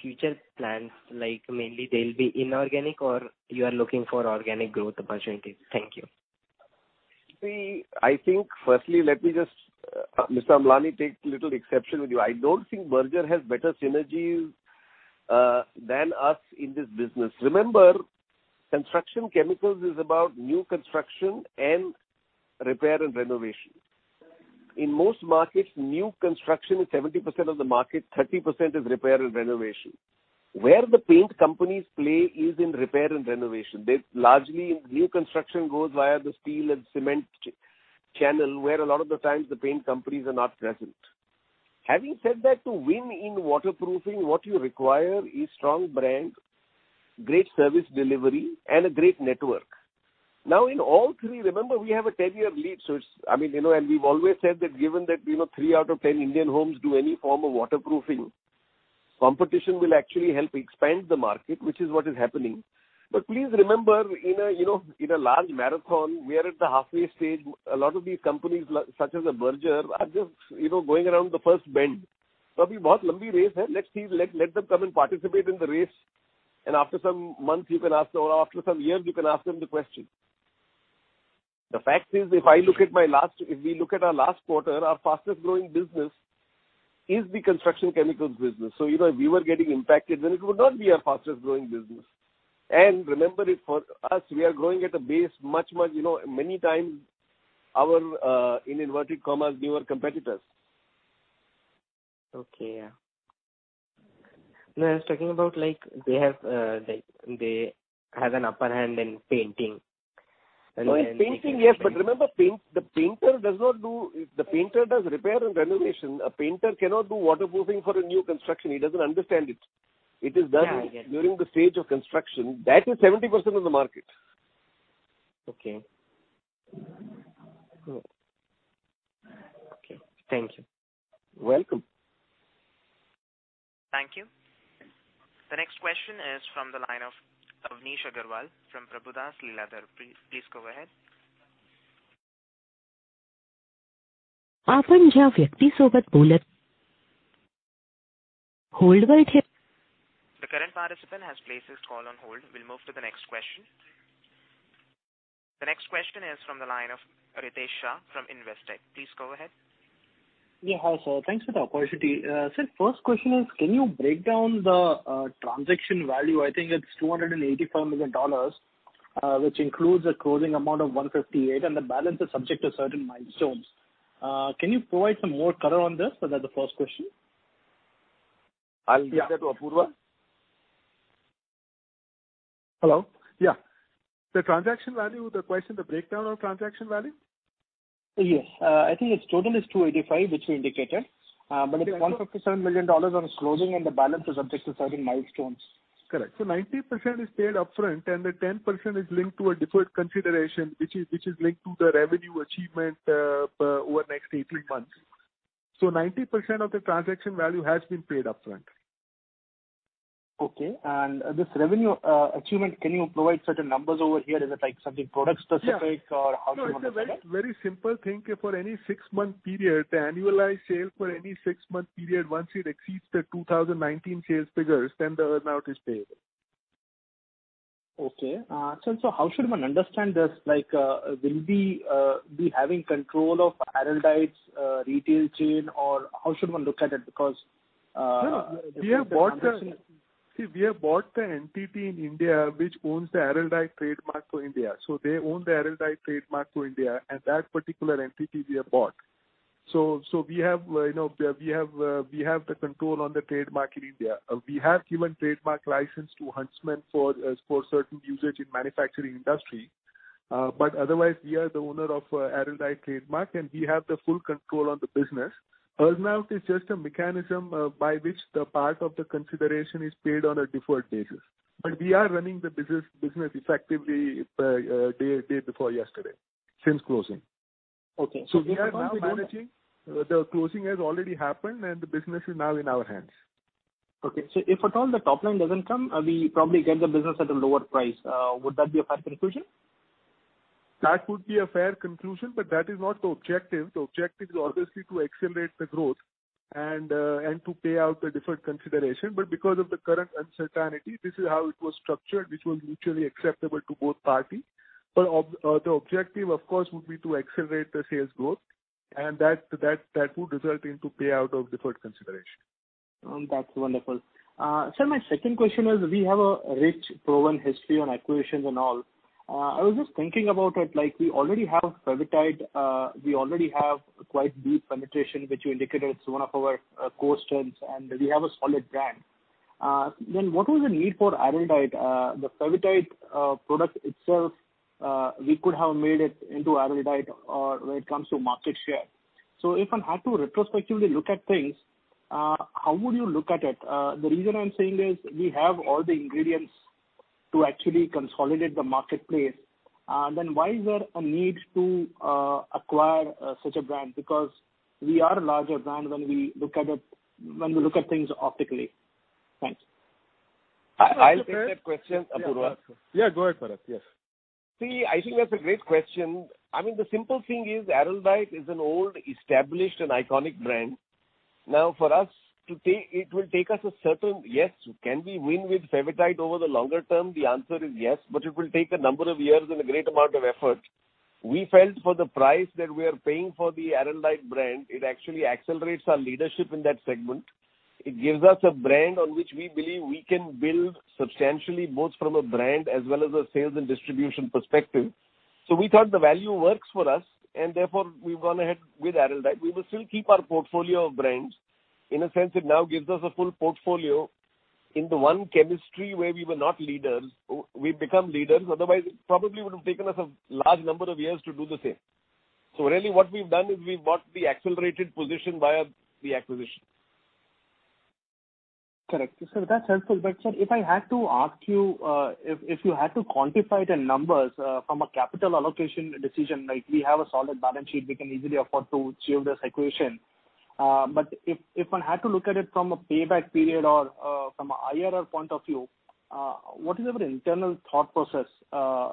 future plans? Like, mainly they'll be inorganic or you are looking for organic growth opportunities. Thank you. I think firstly, let me just, Mr. Amlani, take a little exception with you. I don't think Berger has better synergies than us in this business. Remember, construction chemicals is about new construction and repair and renovation. In most markets, new construction is 70% of the market, 30% is repair and renovation. Where the paint companies play is in repair and renovation. Largely, new construction goes via the steel and cement channel, where a lot of the times the paint companies are not present. Having said that, to win in waterproofing, what you require is strong brand, great service delivery, and a great network. Now, in all three, remember, we have a 10-year lead. We've always said that given that three out of 10 Indian homes do any form of waterproofing, competition will actually help expand the market, which is what is happening. Please remember, in a large marathon, we are at the halfway stage. A lot of these companies, such as Berger, are just going around the first bend. Let's see. Let them come and participate in the race, and after some months or after some years, you can ask them the question. The fact is, if we look at our last quarter, our fastest growing business is the construction chemicals business. If we were getting impacted, then it would not be our fastest growing business. Remember, for us, we are growing at a base many times our, in inverted commas, newer competitors. Okay, yeah. No, I was talking about, like, they have an upper hand in painting. No, in painting, yes. Remember, the painter does repair and renovation. A painter cannot do waterproofing for a new construction. He doesn't understand it. Yeah, I get it. It is done during the stage of construction. That is 70% of the market. Okay. Thank you. Welcome. Thank you. The next question is from the line of Amnish Aggarwal from Prabhudas Lilladher. Please go ahead. We'll move to the next question. The next question is from the line of Ritesh Shah from Investec. Please go ahead. Yeah. Hi, sir. Thanks for the opportunity. Sir, first question is, can you break down the transaction value? I think it's $285 million, which includes a closing amount of $158, and the balance is subject to certain milestones. Can you provide some more color on this? That's the first question. I'll leave that to Apurva. Hello? The transaction value, the question, the breakdown of transaction value? Yes. I think its total is 285, which we indicated. It is INR 157 million on closing, and the balance is subject to certain milestones. Correct. 90% is paid upfront, and the 10% is linked to a deferred consideration, which is linked to the revenue achievement over the next 18 months. 90% of the transaction value has been paid upfront. Okay. This revenue achievement, can you provide certain numbers over here? Is it something product specific or how should one understand it? No, it is a very simple thing. For any six-month period, the annualized sale for any six-month period, once it exceeds the 2019 sales figures, then the earn-out is payable. Okay. Sir, how should one understand this? Will we be having control of Araldite's retail chain, or how should one look at it? No. See, we have bought the entity in India which owns the Araldite trademark for India. They own the Araldite trademark for India and that particular entity we have bought. We have the control on the trademark in India. We have given trademark license to Huntsman for certain usage in manufacturing industry. Otherwise, we are the owner of Araldite trademark, and we have the full control on the business. Earn-out is just a mechanism by which the part of the consideration is paid on a deferred basis. We are running the business effectively day before yesterday, since closing. Okay. We are now managing. The closing has already happened, and the business is now in our hands. Okay. If at all the top line doesn't come, we probably get the business at a lower price. Would that be a fair conclusion? That would be a fair conclusion, but that is not the objective. The objective is obviously to accelerate the growth and to pay out the deferred consideration. Because of the current uncertainty, this is how it was structured, which was mutually acceptable to both parties. The objective, of course, would be to accelerate the sales growth, and that would result into payout of deferred consideration. That's wonderful. Sir, my second question is, we have a rich proven history on acquisitions and all. I was just thinking about it, like, we already have Fevitite, we already have a quite deep penetration, which you indicated it's one of our core strengths, and we have a solid brand. What was the need for Araldite? The Fevitite product itself, we could have made it into Araldite or when it comes to market share. If one had to retrospectively look at things, how would you look at it? The reason I'm saying is we have all the ingredients to actually consolidate the marketplace. Why is there a need to acquire such a brand? Because we are a larger brand when we look at things optically. Thanks. I'll take that question, Apurva. Yeah, go ahead, Bharat. Yes. See, I think that's a great question. I mean, the simple thing is Araldite is an old, established, and iconic brand. For us, it will take us a certain Yes, can we win with Fevitite over the longer term? The answer is yes, it will take a number of years and a great amount of effort. We felt for the price that we are paying for the Araldite brand, it actually accelerates our leadership in that segment. It gives us a brand on which we believe we can build substantially, both from a brand as well as a sales and distribution perspective. We thought the value works for us, and therefore, we've gone ahead with Araldite. We will still keep our portfolio of brands. In a sense, it now gives us a full portfolio in the one chemistry where we were not leaders, we become leaders. Otherwise, it probably would have taken us a large number of years to do the same. Really, what we've done is we've bought the accelerated position via the acquisition. Correct. Sir, that's helpful. Sir, if I had to ask you, if you had to quantify it in numbers from a capital allocation decision, like we have a solid balance sheet, we can easily afford to achieve this acquisition. If one had to look at it from a payback period or from a IRR point of view, what is our internal thought process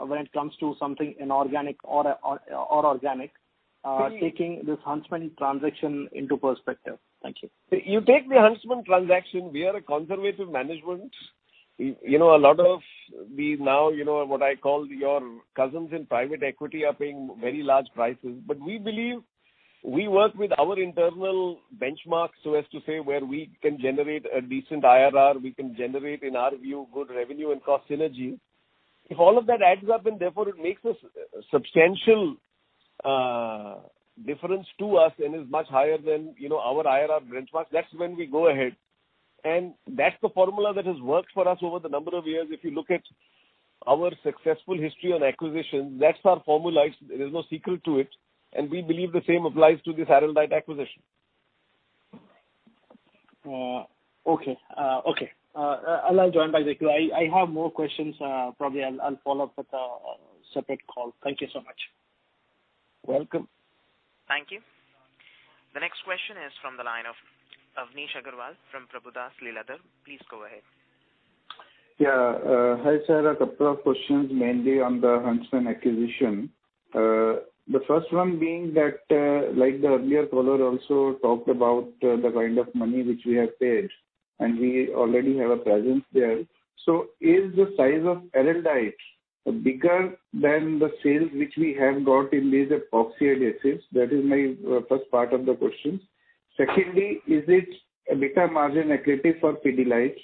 when it comes to something inorganic or organic? Taking this Huntsman transaction into perspective? Thank you. You take the Huntsman transaction, we are a conservative management. A lot of these now, what I call your cousins in private equity, are paying very large prices. We believe we work with our internal benchmarks so as to say where we can generate a decent IRR, we can generate, in our view, good revenue and cost synergy. If all of that adds up, then therefore it makes a substantial difference to us and is much higher than our IRR benchmarks. That's when we go ahead. That's the formula that has worked for us over the number of years. If you look at our successful history on acquisition, that's our formula. There's no secret to it, and we believe the same applies to this Araldite acquisition. Okay. I'll join by the queue. I have more questions. Probably I'll follow up with a separate call. Thank you so much. Welcome. Thank you. The next question is from the line of Amnish Aggarwal from Prabhudas Lilladher. Please go ahead. Yeah. Hi, sir. A couple of questions, mainly on the Huntsman acquisition. The first one being that, like the earlier caller also talked about the kind of money which we have paid. We already have a presence there. Is the size of Araldite bigger than the sales which we have got in these epoxy adhesives? That is my first part of the question. Secondly, is its EBITDA margin accretive for Pidilite?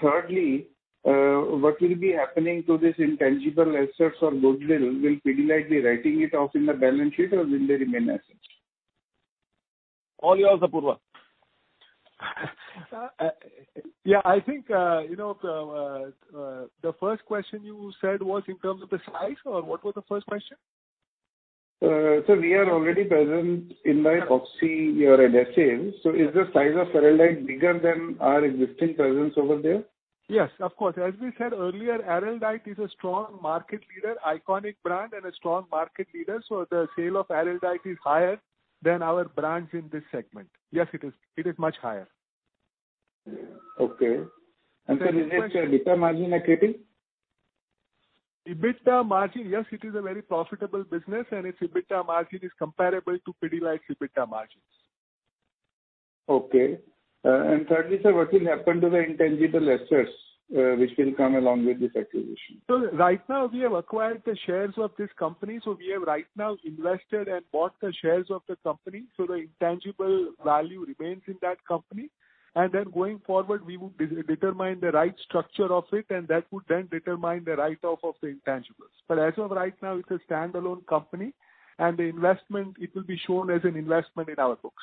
Thirdly, what will be happening to these intangible assets of goodwill? Will Pidilite be writing it off in the balance sheet or will they remain as such? All yours, Apurva. Yeah, I think, the first question you said was in terms of the size, or what was the first question? Sir, we are already present in the epoxy adhesives, is the size of Araldite bigger than our existing presence over there? Yes, of course. As we said earlier, Araldite is a strong market leader, iconic brand, and a strong market leader. The sale of Araldite is higher than our brands in this segment. Yes, it is much higher. Okay. Sir, is it EBITDA margin accretive? EBITDA margin, yes, it is a very profitable business, and its EBITDA margin is comparable to Pidilite's EBITDA margins. Okay. Thirdly, sir, what will happen to the intangible assets which will come along with this acquisition? Right now, we have acquired the shares of this company. We have right now invested and bought the shares of the company. The intangible value remains in that company. Going forward, we would determine the right structure of it, and that would then determine the write-off of the intangibles. As of right now, it's a standalone company, and the investment, it will be shown as an investment in our books.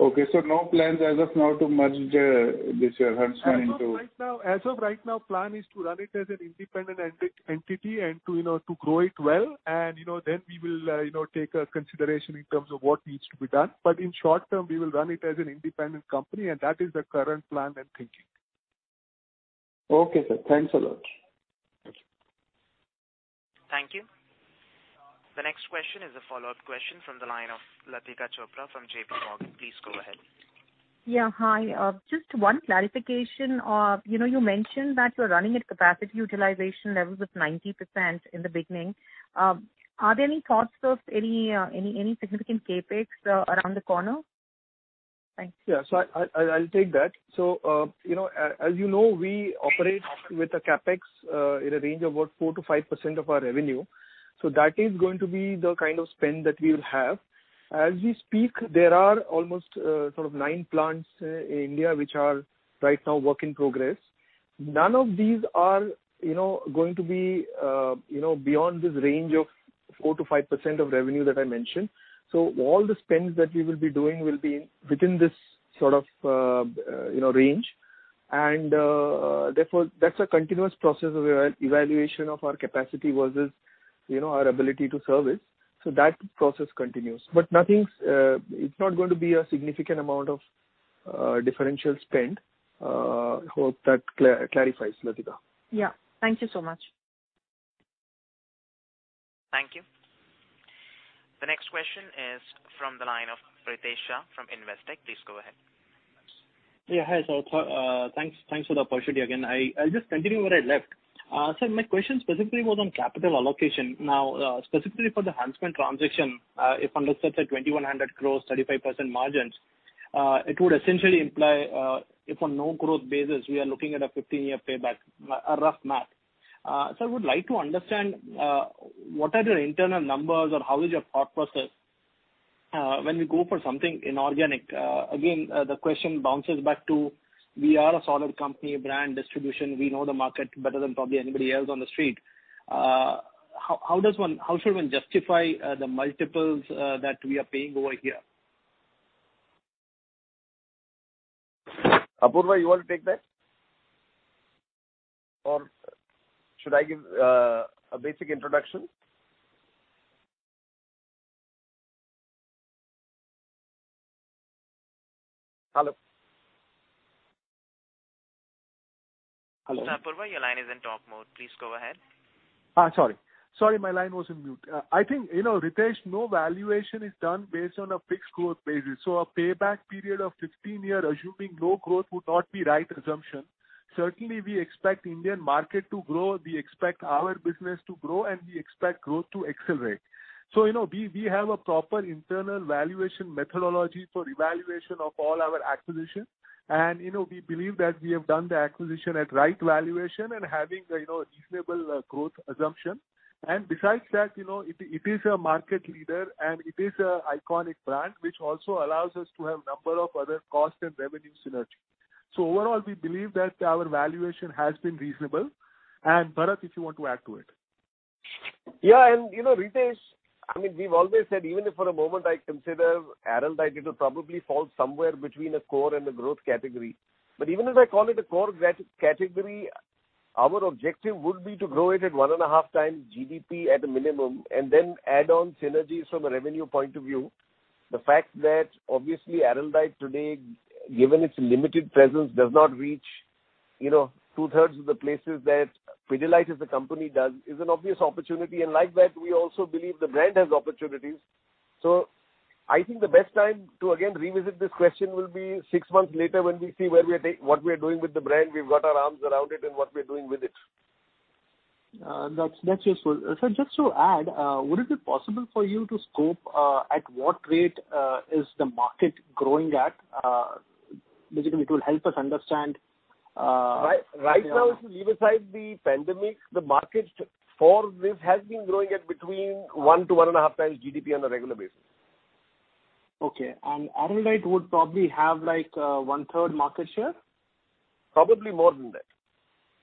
No plans as of now to merge this Huntsman into. As of right now, plan is to run it as an independent entity and to grow it well. Then we will take a consideration in terms of what needs to be done. In short term, we will run it as an independent company, that is the current plan and thinking. Okay, sir. Thanks a lot. Thank you. The next question is a follow-up question from the line of Latika Chopra from JP Morgan. Please go ahead. Yeah. Hi. Just one clarification. You mentioned that you're running at capacity utilization levels of 90% in the beginning. Are there any thoughts of any significant CapEx around the corner? Thanks. Yeah. I'll take that. As you know, we operate with a CapEx in a range of about 4%-5% of our revenue. That is going to be the kind of spend that we'll have. As we speak, there are almost nine plants in India, which are right now work in progress. None of these are going to be beyond this range of 4%-5% of revenue that I mentioned. All the spends that we will be doing will be within this range. Therefore, that's a continuous process of evaluation of our capacity versus our ability to service. That process continues, it's not going to be a significant amount of differential spend. Hope that clarifies, Latika. Yeah. Thank you so much. Thank you. The next question is from the line of Ritesh Shah from Investec. Please go ahead. Yeah. Hi. Thanks for the opportunity again. I'll just continue where I left. Sir, my question specifically was on capital allocation. Now, specifically for the Huntsman transaction, if one looks at the 2,100 crores, 35% margins, it would essentially imply, if on no growth basis, we are looking at a 15-year payback, a rough math. Sir, I would like to understand what are your internal numbers, or how is your thought process when we go for something inorganic? The question bounces back to we are a solid company, brand, distribution. We know the market better than probably anybody else on the street. How should one justify the multiples that we are paying over here? Apurva, you want to take that? Or should I give a basic introduction? Hello? Apurva, your line is in talk mode. Please go ahead. Sorry, my line was on mute. I think, Ritesh, no valuation is done based on a fixed growth basis. A payback period of 15 years, assuming no growth would not be right assumption. Certainly, we expect Indian market to grow, we expect our business to grow, and we expect growth to accelerate. We have a proper internal valuation methodology for evaluation of all our acquisitions. We believe that we have done the acquisition at right valuation and having reasonable growth assumption. Besides that, it is a market leader, and it is a iconic brand, which also allows us to have number of other cost and revenue synergy. Overall, we believe that our valuation has been reasonable. Bharat, if you want to add to it. Yeah, Ritesh, we've always said, even if for a moment I consider Araldite, it'll probably fall somewhere between a core and a growth category. Even if I call it a core category, our objective would be to grow it at one and a half times GDP at a minimum, then add on synergies from a revenue point of view. The fact that obviously Araldite today, given its limited presence, does not reach two-thirds of the places that Pidilite as a company does is an obvious opportunity. Like that, we also believe the brand has opportunities. I think the best time to, again, revisit this question will be 6 months later when we see what we're doing with the brand. We've got our arms around it and what we're doing with it. That's useful. Sir, just to add, would it be possible for you to scope at what rate is the market growing at? Basically, it will help us understand- Right now, if you leave aside the pandemic, the market for this has been growing at between one to one and a half times GDP on a regular basis. Okay. Araldite would probably have 1/3 market share? Probably more than that.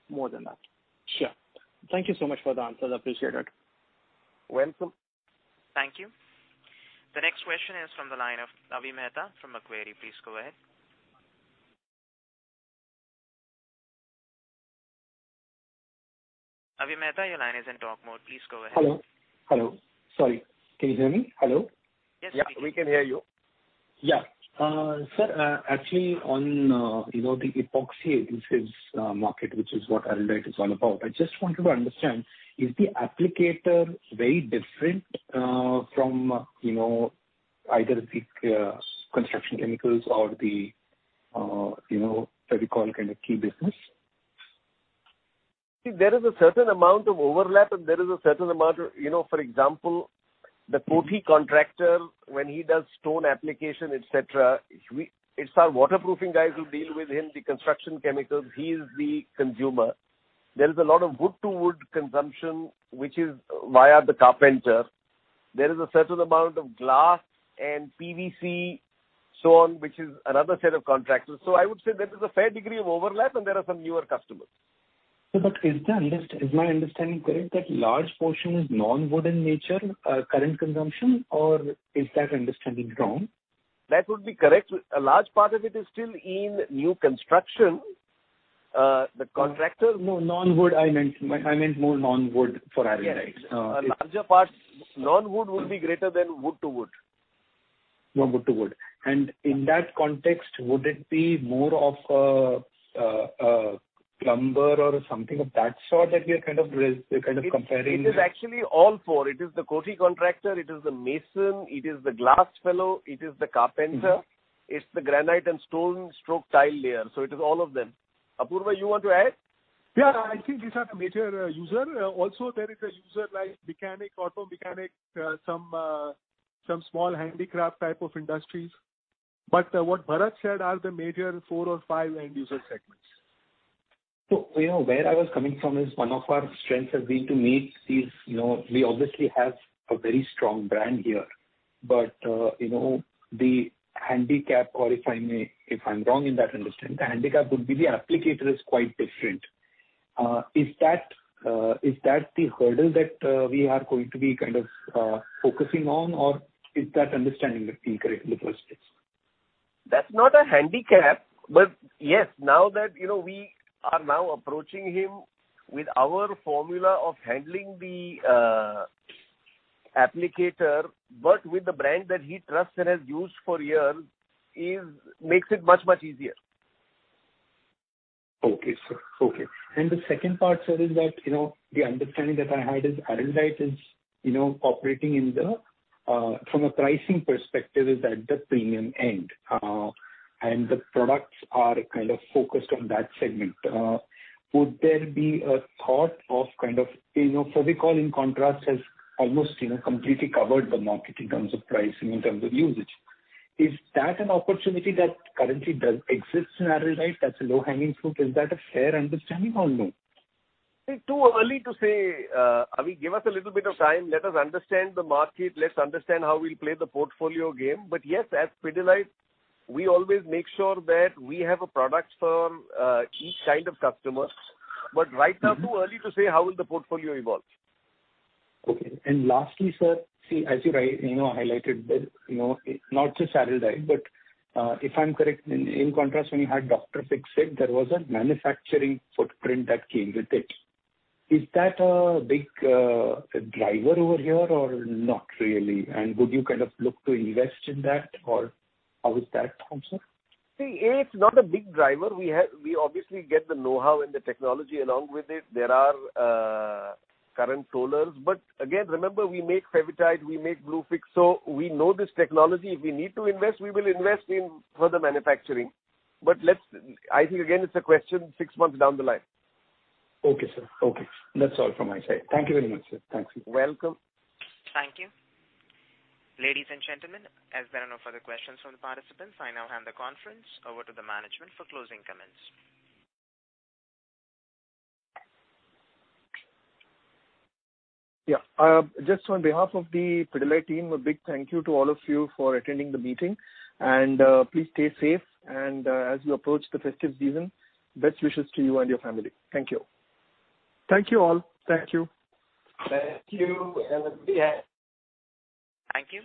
More than that. Sure. Thank you so much for the answers. Appreciate it. Welcome. Thank you. The next question is from the line of Avi Mehta from Macquarie. Please go ahead. Avi Mehta, your line is in talk mode. Please go ahead. Hello. Sorry. Can you hear me? Hello? Yes, we can. Yeah, we can hear you. Yeah. Sir, actually on the epoxy adhesives market, which is what Araldite is all about, I just wanted to understand, is the applicator very different from either the construction chemicals or the Fevicol kind of key business? There is a certain amount of overlap and there is a certain amount of, for example, the patti contractor when he does stone application, et cetera, it's our waterproofing guys who deal with him, the construction chemicals. He is the consumer. There is a lot of wood-to-wood consumption, which is via the carpenter. There is a certain amount of glass and PVC, so on, which is another set of contractors. I would say there is a fair degree of overlap, and there are some newer customers. Sir, is my understanding correct that large portion is non-wood in nature, current consumption, or is that understanding wrong? That would be correct. A large part of it is still in new construction. No, non-wood I meant. I meant more non-wood for Araldite. Yes. Non-wood would be greater than wood to wood. From good to good. In that context, would it be more of a plumber or something of that sort that we are kind of comparing? It is actually all four. It is the cozy contractor, it is the mason, it is the glass fellow, it is the carpenter. It's the granite and stone/tile layer, so it is all of them. Apurva, you want to add? I think these are the major user. There is a user like mechanic, auto mechanic, some small handicraft type of industries. What Bharat said are the major four or five end user segments. Where I was coming from is one of our strengths has been to meet these. We obviously have a very strong brand here. The handicap, or if I'm wrong in that understanding, the handicap would be the applicator is quite different. Is that the hurdle that we are going to be kind of focusing on, or is that understanding incorrect in the first place? That's not a handicap. Yes, now that we are now approaching him with our formula of handling the applicator, but with the brand that he trusts and has used for years, makes it much easier. Okay, sir. Okay. The second part, sir, is that, the understanding that I had is Araldite is operating from a pricing perspective is at the premium end, and the products are kind of focused on that segment. Would there be a thought of kind of Fevicol, in contrast, has almost completely covered the market in terms of pricing, in terms of usage? Is that an opportunity that currently does exist in Araldite that's a low-hanging fruit? Is that a fair understanding or no? It's too early to say. Avi, give us a little bit of time. Let us understand the market. Let's understand how we'll play the portfolio game. Yes, at Pidilite, we always make sure that we have a product for each kind of customers. Right now, too early to say how will the portfolio evolve. Okay. Lastly, sir, see, as you highlighted there, not just Araldite, but if I'm correct, in contrast when you had Dr. Fixit, there was a manufacturing footprint that came with it. Is that a big driver over here or not really? Would you kind of look to invest in that or how is that concept? See, it's not a big driver. We obviously get the knowhow and the technology along with it. There are current rollers. Again, remember we make Fevitite, we make Bluefix, we know this technology. If we need to invest, we will invest in further manufacturing. I think again it's a question six months down the line. Okay, sir. Okay. That's all from my side. Thank you very much, sir. Thanks. Welcome. Thank you. Ladies and gentlemen, as there are no further questions from the participants, I now hand the conference over to the management for closing comments. Yeah. Just on behalf of the Pidilite team, a big thank you to all of you for attending the meeting. Please stay safe. As we approach the festive season, best wishes to you and your family. Thank you. Thank you all. Thank you. Thank you and yeah. Thank you.